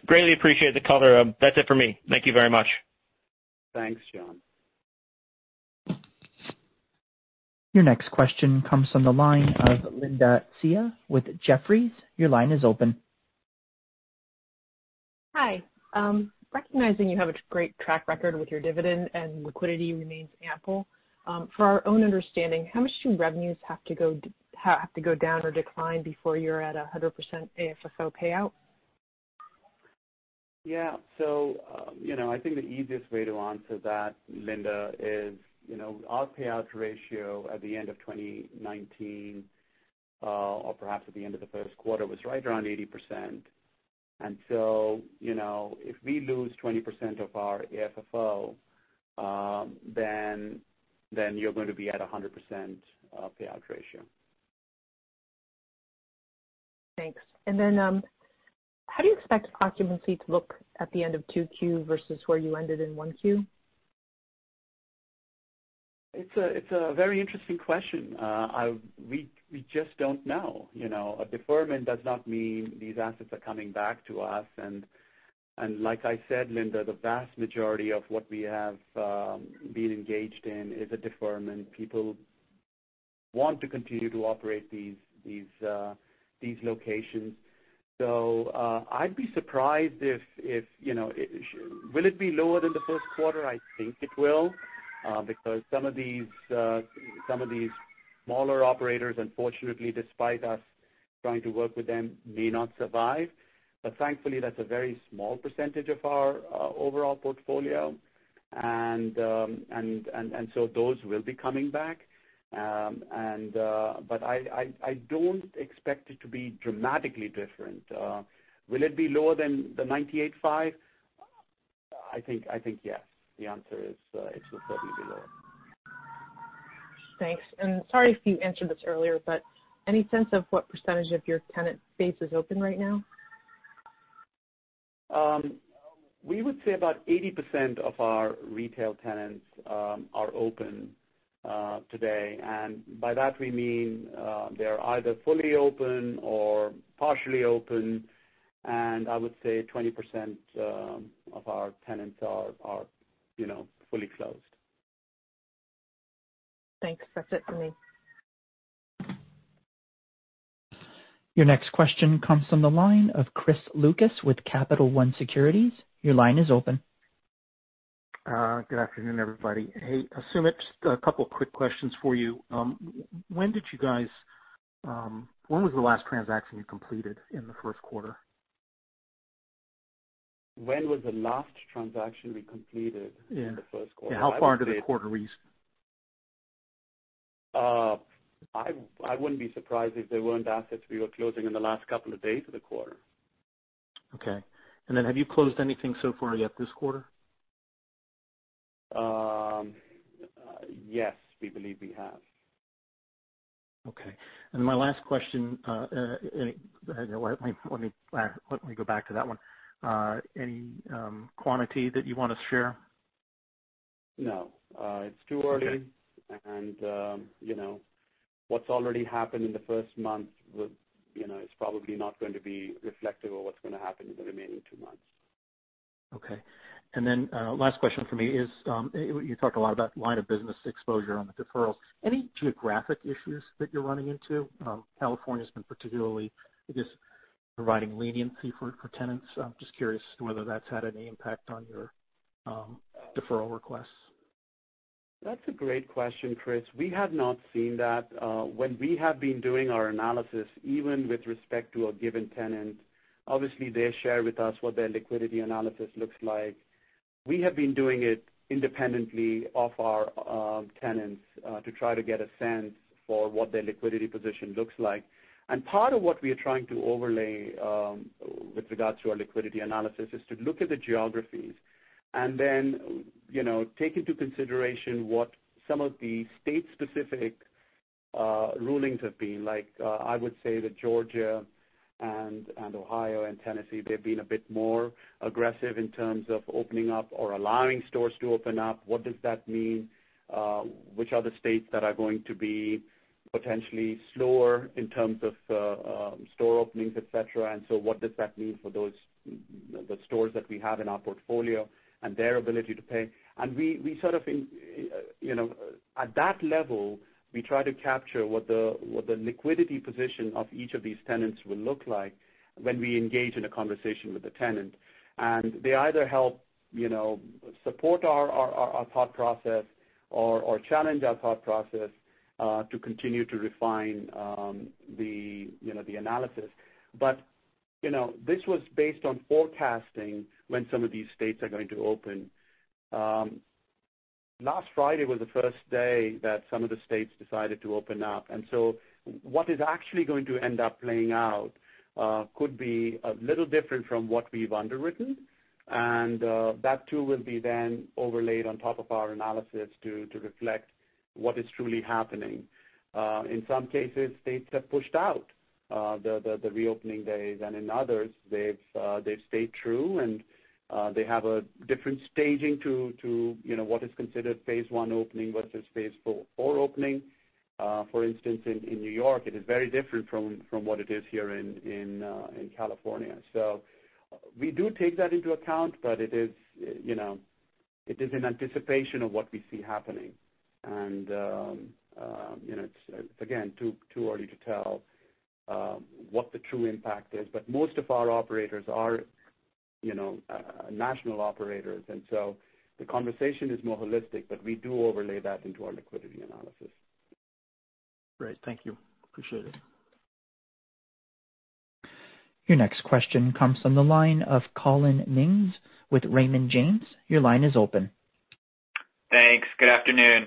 Greatly appreciate the color. That's it for me. Thank you very much. Thanks, John. Your next question comes from the line of Linda Tsai with Jefferies. Your line is open. Hi. Recognizing you have a great track record with your dividend and liquidity remains ample, for our own understanding, how much do revenues have to go down or decline before you're at 100% AFFO payout? I think the easiest way to answer that, Linda, is our payout ratio at the end of 2019 or perhaps at the end of the first quarter was right around 80%. If we lose 20% of our AFFO, you're going to be at 100% payout ratio. Thanks. Then how do you expect occupancy to look at the end of Q2 versus where you ended in Q1? It's a very interesting question. We just don't know. A deferment does not mean these assets are coming back to us. Like I said, Linda, the vast majority of what we have been engaged in is a deferment. People want to continue to operate these locations. Will it be lower than the first quarter? I think it will because some of these smaller operators, unfortunately, despite us trying to work with them, may not survive. Thankfully, that's a very small percentage of our overall portfolio. Those will be coming back. I don't expect it to be dramatically different. Will it be lower than the 98.5? I think yes. The answer is it will certainly be lower. Thanks. Sorry if you answered this earlier, but any sense of what % of your tenant base is open right now? We would say about 80% of our retail tenants are open today. By that we mean they're either fully open or partially open. I would say 20% of our tenants are fully closed. Thanks. That's it for me. Your next question comes from the line of Chris Lucas with Capital One Securities. Your line is open. Good afternoon, everybody. Hey, Sumit, just a couple of quick questions for you. When was the last transaction you completed in the Q1? When was the last transaction we completed? Yeah In the Q1? Yeah. How far into the quarter are we? I wouldn't be surprised if there weren't assets we were closing in the last couple of days of the quarter. Okay. Then have you closed anything so far yet this quarter? Yes. We believe we have. Okay. My last question. Let me go back to that one. Any quantity that you want to share? No. It's too early. Okay. What's already happened in the first month is probably not going to be reflective of what's going to happen in the remaining two months. Okay. Last question from me is, you talked a lot about line of business exposure on the deferrals. Any geographic issues that you're running into? California's been particularly just providing leniency for tenants. Just curious whether that's had any impact on your deferral requests. That's a great question, Chris. We have not seen that. When we have been doing our analysis, even with respect to a given tenant, obviously they share with us what their liquidity analysis looks like. We have been doing it independently of our tenants to try to get a sense for what their liquidity position looks like. Part of what we are trying to overlay with regards to our liquidity analysis is to look at the geographies and then take into consideration what some of the state-specific rulings have been. Like I would say that Georgia and Ohio and Tennessee, they've been a bit more aggressive in terms of opening up or allowing stores to open up. What does that mean? Which are the states that are going to be potentially slower in terms of store openings, et cetera? What does that mean for the stores that we have in our portfolio and their ability to pay? At that level, we try to capture what the liquidity position of each of these tenants will look like when we engage in a conversation with the tenant. They either help support our thought process or challenge our thought process to continue to refine the analysis. This was based on forecasting when some of these states are going to open. Last Friday was the first day that some of the states decided to open up. What is actually going to end up playing out could be a little different from what we've underwritten. That too will be then overlaid on top of our analysis to reflect what is truly happening. In some cases, states have pushed out the reopening days, in others, they've stayed true, and they have a different staging to what is considered phase I opening versus phase IV opening. For instance, in N.Y., it is very different from what it is here in California. We do take that into account, but it is in anticipation of what we see happening. It's again, too early to tell what the true impact is. Most of our operators are national operators, and so the conversation is more holistic, but we do overlay that into our liquidity analysis. Great. Thank you. Appreciate it. Your next question comes from the line of Collin Mings with Raymond James. Your line is open. Thanks. Good afternoon.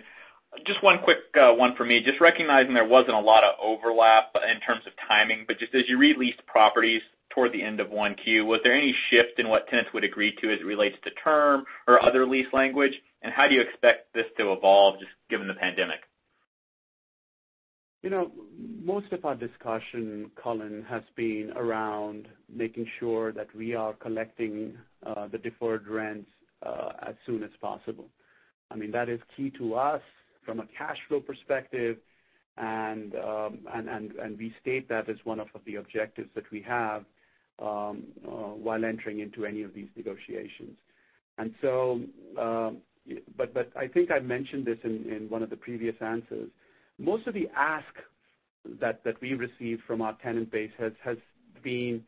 Just one quick one for me. Just recognizing there wasn't a lot of overlap in terms of timing, but just as you re-leased properties toward the end of Q1, was there any shift in what tenants would agree to as it relates to term or other lease language? How do you expect this to evolve just given the pandemic? Most of our discussion, Collin, has been around making sure that we are collecting the deferred rents as soon as possible. I mean, that is key to us from a cash flow perspective, and we state that as one of the objectives that we have while entering into any of these negotiations. I think I mentioned this in one of the previous answers. Most of the ask that we receive from our tenant base has been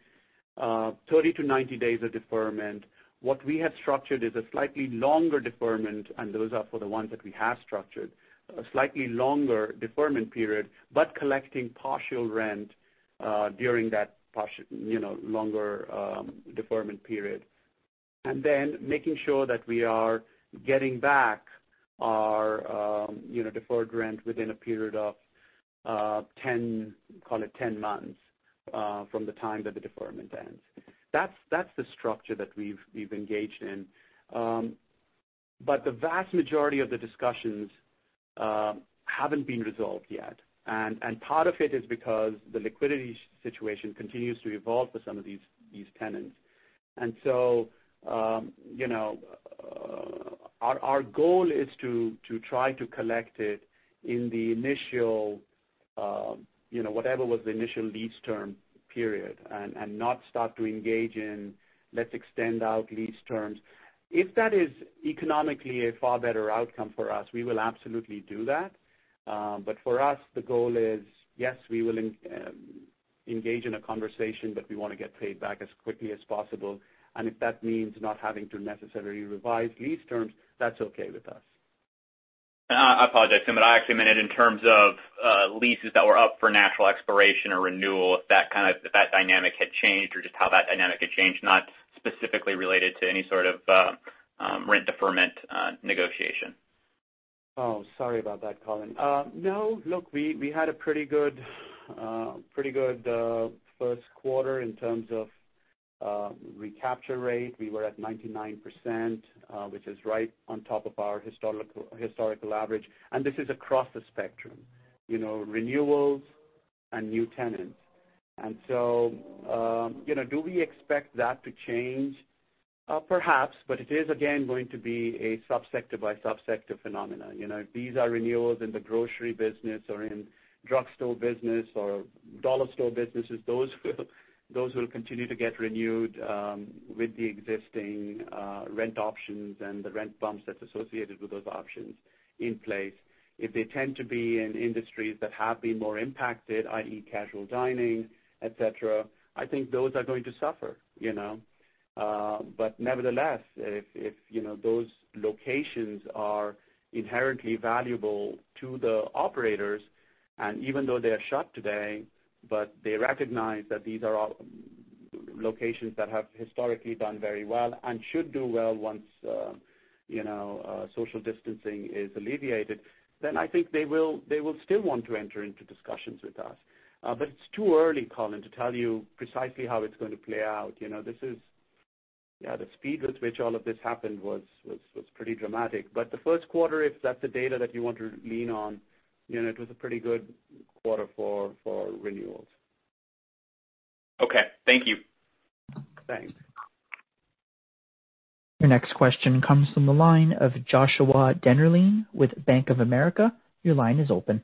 30-90 days of deferment. What we have structured is a slightly longer deferment, and those are for the ones that we have structured. A slightly longer deferment period, but collecting partial rent during that longer deferment period. Making sure that we are getting back our deferred rent within a period of 10 months from the time that the deferment ends. That's the structure that we've engaged in. The vast majority of the discussions haven't been resolved yet, part of it is because the liquidity situation continues to evolve for some of these tenants. Our goal is to try to collect it in the initial whatever was the initial lease term period and not start to engage in let's extend out lease terms. If that is economically a far better outcome for us, we will absolutely do that. For us, the goal is, yes, we will engage in a conversation, but we want to get paid back as quickly as possible. If that means not having to necessarily revise lease terms, that's okay with us. I apologize, Sumit. I actually meant it in terms of leases that were up for natural expiration or renewal, if that dynamic had changed, or just how that dynamic had changed, not specifically related to any sort of rent deferment negotiation. Oh, sorry about that, Collin. Look, we had a pretty good first quarter in terms of recapture rate. We were at 99%, which is right on top of our historical average. This is across the spectrum, renewals and new tenants. Do we expect that to change? Perhaps, it is again, going to be a sub-sector by sub-sector phenomenon. These are renewals in the grocery business or in drugstore business or dollar store businesses. Those will continue to get renewed with the existing rent options and the rent bumps that's associated with those options in place. If they tend to be in industries that have been more impacted, i.e., casual dining, et cetera, I think those are going to suffer. Nevertheless, if those locations are inherently valuable to the operators and even though they are shut today, but they recognize that these are locations that have historically done very well and should do well once social distancing is alleviated, then I think they will still want to enter into discussions with us. It's too early, Collin, to tell you precisely how it's going to play out. The speed with which all of this happened was pretty dramatic. The Q1, if that's the data that you want to lean on, it was a pretty good quarter for renewals. Okay. Thank you. Thanks. Your next question comes from the line of Joshua Dennerlein with Bank of America. Your line is open.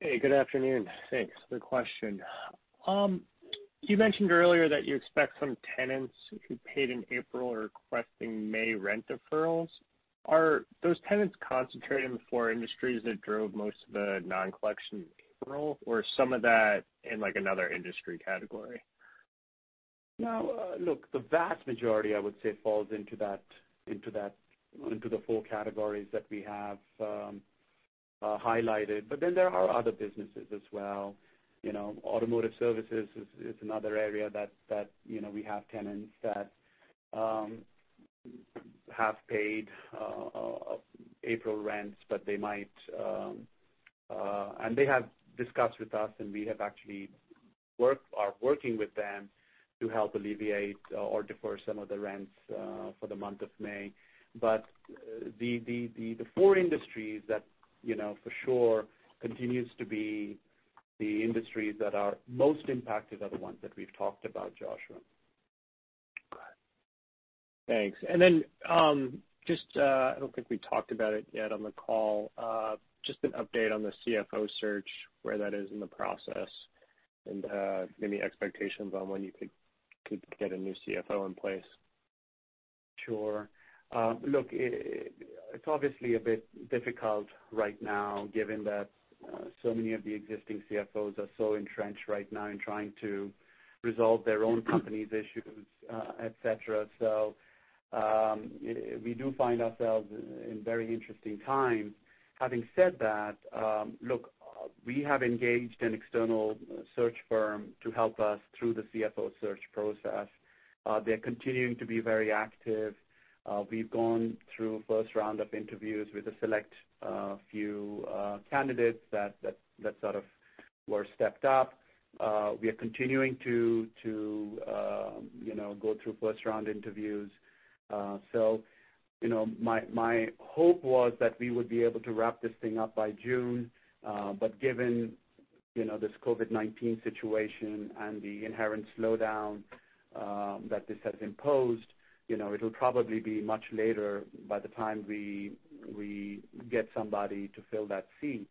Hey, good afternoon. Thanks. Good question. You mentioned earlier that you expect some tenants who paid in April are requesting May rent deferrals. Are those tenants concentrated in the four industries that drove most of the non-collection in April, or some of that in another industry category? No. Look, the vast majority, I would say, falls into the four categories that we have highlighted. There are other businesses as well. Automotive services is another area that we have tenants that have paid April rents, and they have discussed with us, and we have actually are working with them to help alleviate or defer some of the rents for the month of May. The four industries that for sure continues to be the industries that are most impacted are the ones that we've talked about, Joshua. Got it. Thanks. I don't think we talked about it yet on the call, just an update on the CFO search, where that is in the process, and maybe expectations on when you could get a new CFO in place. Sure. Look, it's obviously a bit difficult right now given that so many of the existing CFOs are so entrenched right now in trying to resolve their own company's issues, et cetera. We do find ourselves in very interesting times. Having said that, look, we have engaged an external search firm to help us through the CFO search process. They're continuing to be very active. We've gone through a first round of interviews with a select few candidates that sort of were stepped up. We are continuing to go through first-round interviews. My hope was that we would be able to wrap this thing up by June. Given this COVID-19 situation and the inherent slowdown that this has imposed, it'll probably be much later by the time we get somebody to fill that seat.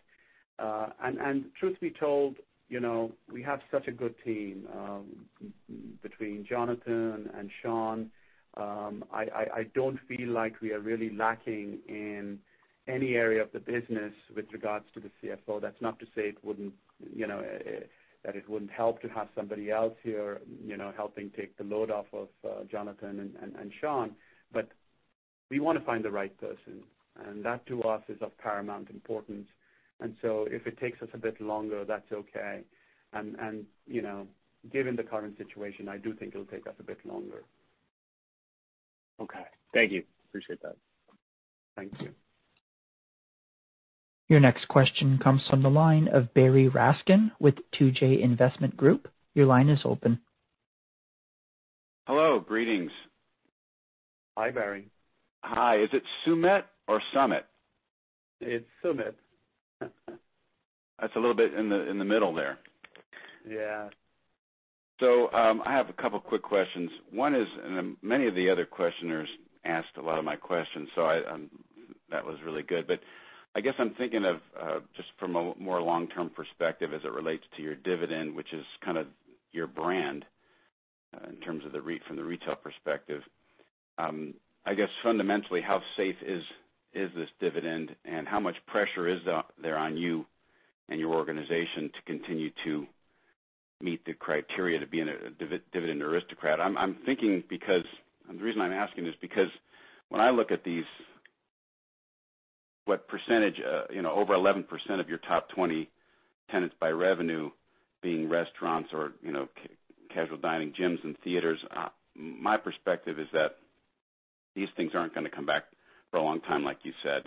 Truth be told, we have such a good team. Between Jonathan and Sean, I don't feel like we are really lacking in any area of the business with regards to the CFO. That's not to say that it wouldn't help to have somebody else here helping take the load off of Jonathan and Sean. We want to find the right person, and that to us is of paramount importance. If it takes us a bit longer, that's okay. Given the current situation, I do think it'll take us a bit longer. Okay. Thank you. Appreciate that. Thank you. Your next question comes from the line of Barry Raskin with 2J Investment Group. Your line is open. Hello. Greetings. Hi, Barry. Hi. Is it Sumit or Sumit? It's Sumit. That's a little bit in the middle there. Yeah. I have a couple of quick questions. One is, and many of the other questioners asked a lot of my questions, so that was really good. I guess I'm thinking of just from a more long-term perspective as it relates to your dividend, which is kind of your brand in terms of from the retail perspective. I guess fundamentally, how safe is this dividend and how much pressure is there on you and your organization to continue to meet the criteria to be a Dividend Aristocrat? I'm thinking, and the reason I'm asking is because when I look at these, what percentage, over 11% of your top 20 tenants by revenue being restaurants or casual dining gyms and theaters, my perspective is that these things aren't going to come back for a long time, like you said.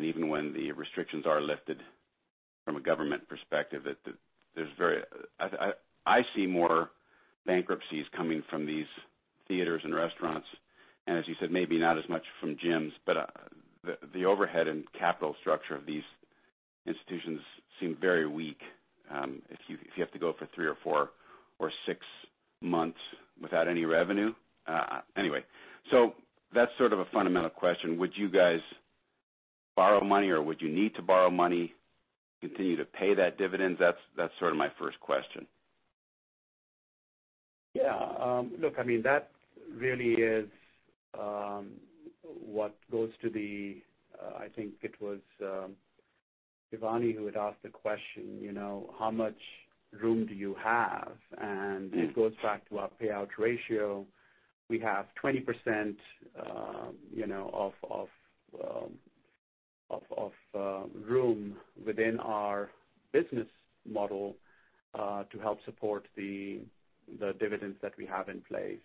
Even when the restrictions are lifted from a government perspective, I see more bankruptcies coming from these theaters and restaurants. As you said, maybe not as much from gyms, but the overhead and capital structure of these institutions seem very weak, if you have to go for three or four or six months without any revenue. That's sort of a fundamental question. Would you guys borrow money or would you need to borrow money to continue to pay that dividend? That's sort of my first question. Yeah. Look, I mean, that really is what goes to the I think it was Shivani who had asked the question, how much room do you have? It goes back to our payout ratio. We have 20% of room within our business model to help support the dividends that we have in place.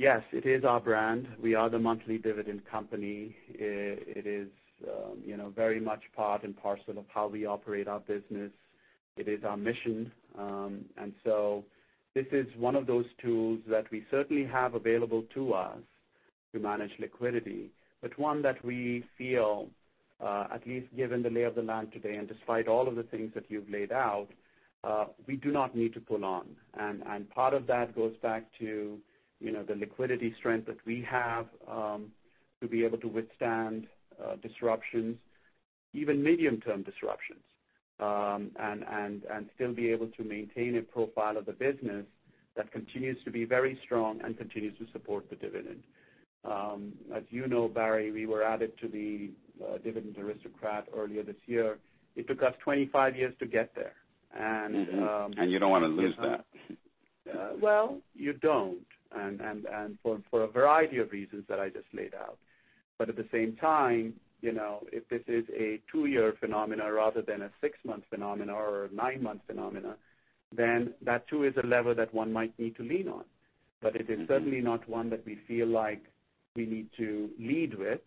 Yes, it is our brand. We are the monthly dividend company. It is very much part and parcel of how we operate our business. It is our mission. This is one of those tools that we certainly have available to us to manage liquidity, but one that we feel, at least given the lay of the land today, and despite all of the things that you've laid out, we do not need to pull on. Part of that goes back to the liquidity strength that we have to be able to withstand disruptions, even medium-term disruptions, and still be able to maintain a profile of the business that continues to be very strong and continues to support the dividend. As you know, Barry, we were added to the Dividend Aristocrat earlier this year. It took us 25 years to get there. Mm-hmm. You don't want to lose that. You don't, and for a variety of reasons that I just laid out. At the same time, if this is a two-year phenomenon rather than a six-month phenomenon or a nine-month phenomenon, then that too is a lever that one might need to lean on. It is certainly not one that we feel like we need to lead with,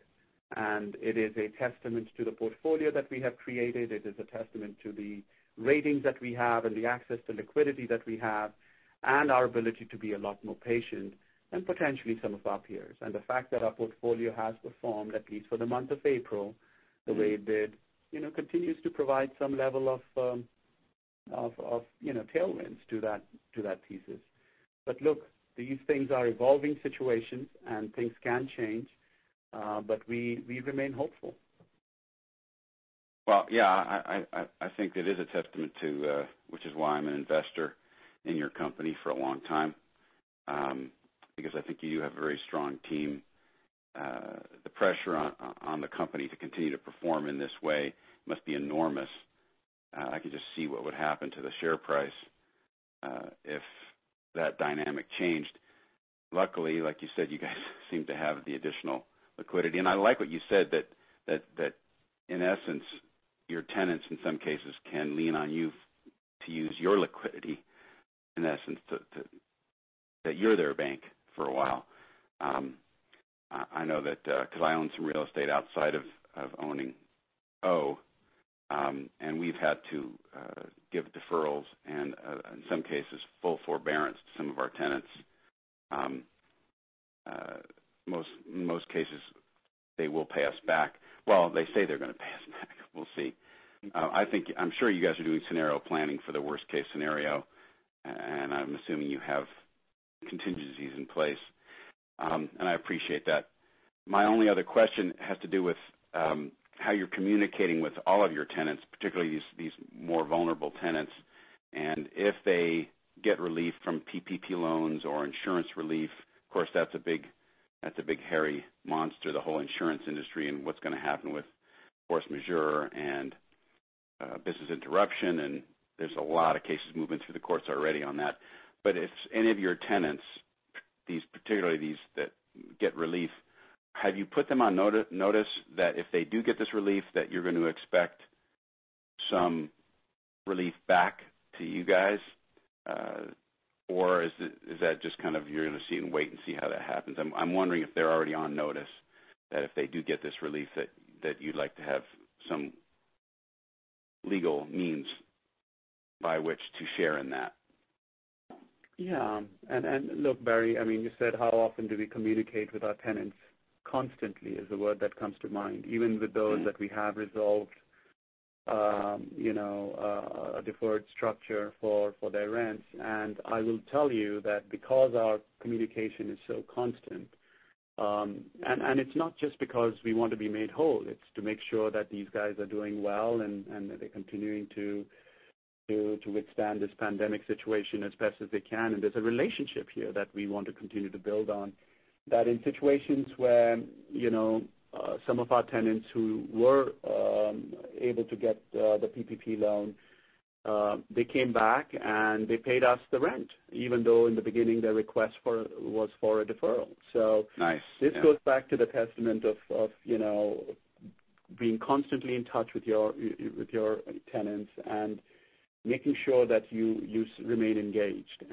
and it is a testament to the portfolio that we have created. It is a testament to the ratings that we have and the access to liquidity that we have and our ability to be a lot more patient than potentially some of our peers. The fact that our portfolio has performed, at least for the month of April, the way it did, continues to provide some level of tailwinds to that thesis. Look, these things are evolving situations and things can change. We remain hopeful. Well, I think it is a testament to, which is why I'm an investor in your company for a long time. I think you have a very strong team. The pressure on the company to continue to perform in this way must be enormous. I could just see what would happen to the share price if that dynamic changed. Luckily, like you said, you guys seem to have the additional liquidity. I like what you said that in essence, your tenants in some cases can lean on you to use your liquidity, in essence, that you're their bank for a while. I know that because I own some real estate outside of owning. O, and we've had to give deferrals and in some cases, full forbearance to some of our tenants. In most cases, they will pay us back. Well, they say they're going to pay us back. We'll see. I'm sure you guys are doing scenario planning for the worst-case scenario. I'm assuming you have contingencies in place. I appreciate that. My only other question has to do with how you're communicating with all of your tenants, particularly these more vulnerable tenants. If they get relief from PPP loans or insurance relief. Of course, that's a big hairy monster, the whole insurance industry and what's going to happen with force majeure and business interruption, and there's a lot of cases moving through the courts already on that. If any of your tenants, particularly these that get relief, have you put them on notice that if they do get this relief, that you're going to expect some relief back to you guys? Is that just kind of you're going to see and wait and see how that happens? I'm wondering if they're already on notice that if they do get this relief that you'd like to have some legal means by which to share in that. Yeah. Look, Barry, you said, how often do we communicate with our tenants? Constantly is the word that comes to mind, even with those that we have resolved a deferred structure for their rents. I will tell you that because our communication is so constant, and it's not just because we want to be made whole, it's to make sure that these guys are doing well and that they're continuing to withstand this pandemic situation as best as they can. There's a relationship here that we want to continue to build on. That in situations where some of our tenants who were able to get the PPP loan, they came back, and they paid us the rent, even though in the beginning, their request was for a deferral. Nice. Yeah. This goes back to the testament of being constantly in touch with your tenants and making sure that you remain engaged.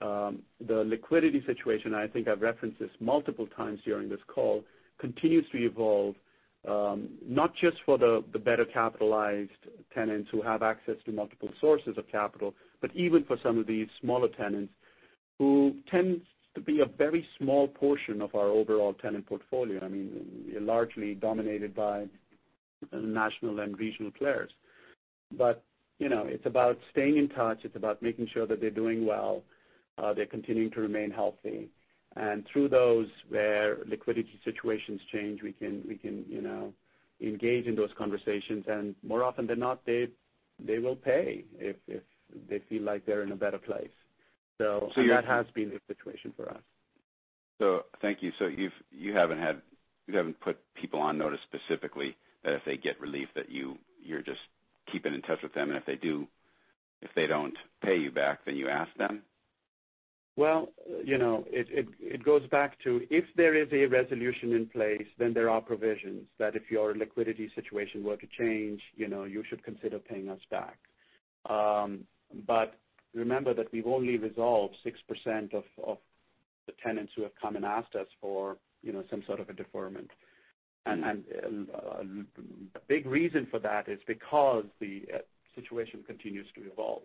The liquidity situation, I think I've referenced this multiple times during this call, continues to evolve. Not just for the better capitalized tenants who have access to multiple sources of capital, but even for some of these smaller tenants who tend to be a very small portion of our overall tenant portfolio. We're largely dominated by national and regional players. It's about staying in touch. It's about making sure that they're doing well, they're continuing to remain healthy. Through those where liquidity situations change, we can engage in those conversations. More often than not, they will pay if they feel like they're in a better place. That has been the situation for us. Thank you. You haven't put people on notice specifically that if they get relief that you're just keeping in touch with them, and if they don't pay you back, then you ask them? Well, it goes back to if there is a resolution in place, then there are provisions that if your liquidity situation were to change, you should consider paying us back. Remember that we've only resolved 6% of the tenants who have come and asked us for some sort of a deferment. A big reason for that is because the situation continues to evolve.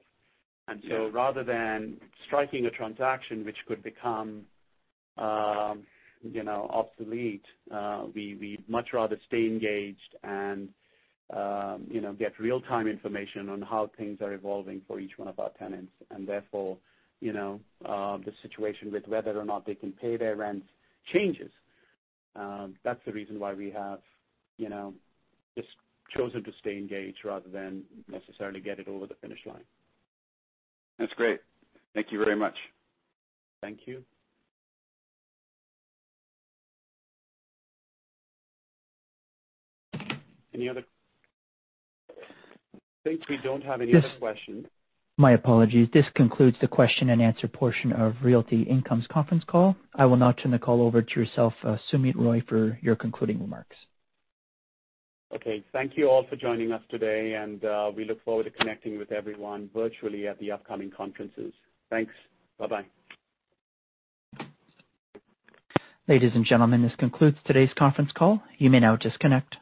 Yeah. Rather than striking a transaction which could become obsolete, we'd much rather stay engaged and get real-time information on how things are evolving for each one of our tenants. Therefore, the situation with whether or not they can pay their rent changes. That's the reason why we have just chosen to stay engaged rather than necessarily get it over the finish line. That's great. Thank you very much. Thank you. I think we don't have any other questions. My apologies. This concludes the question and answer portion of Realty Income's Conference Call. I will now turn the call over to yourself, Sumit Roy, for your concluding remarks. Okay. Thank you all for joining us today, and we look forward to connecting with everyone virtually at the upcoming conferences. Thanks. Bye-bye. Ladies and gentlemen, this concludes today's conference call. You may now disconnect.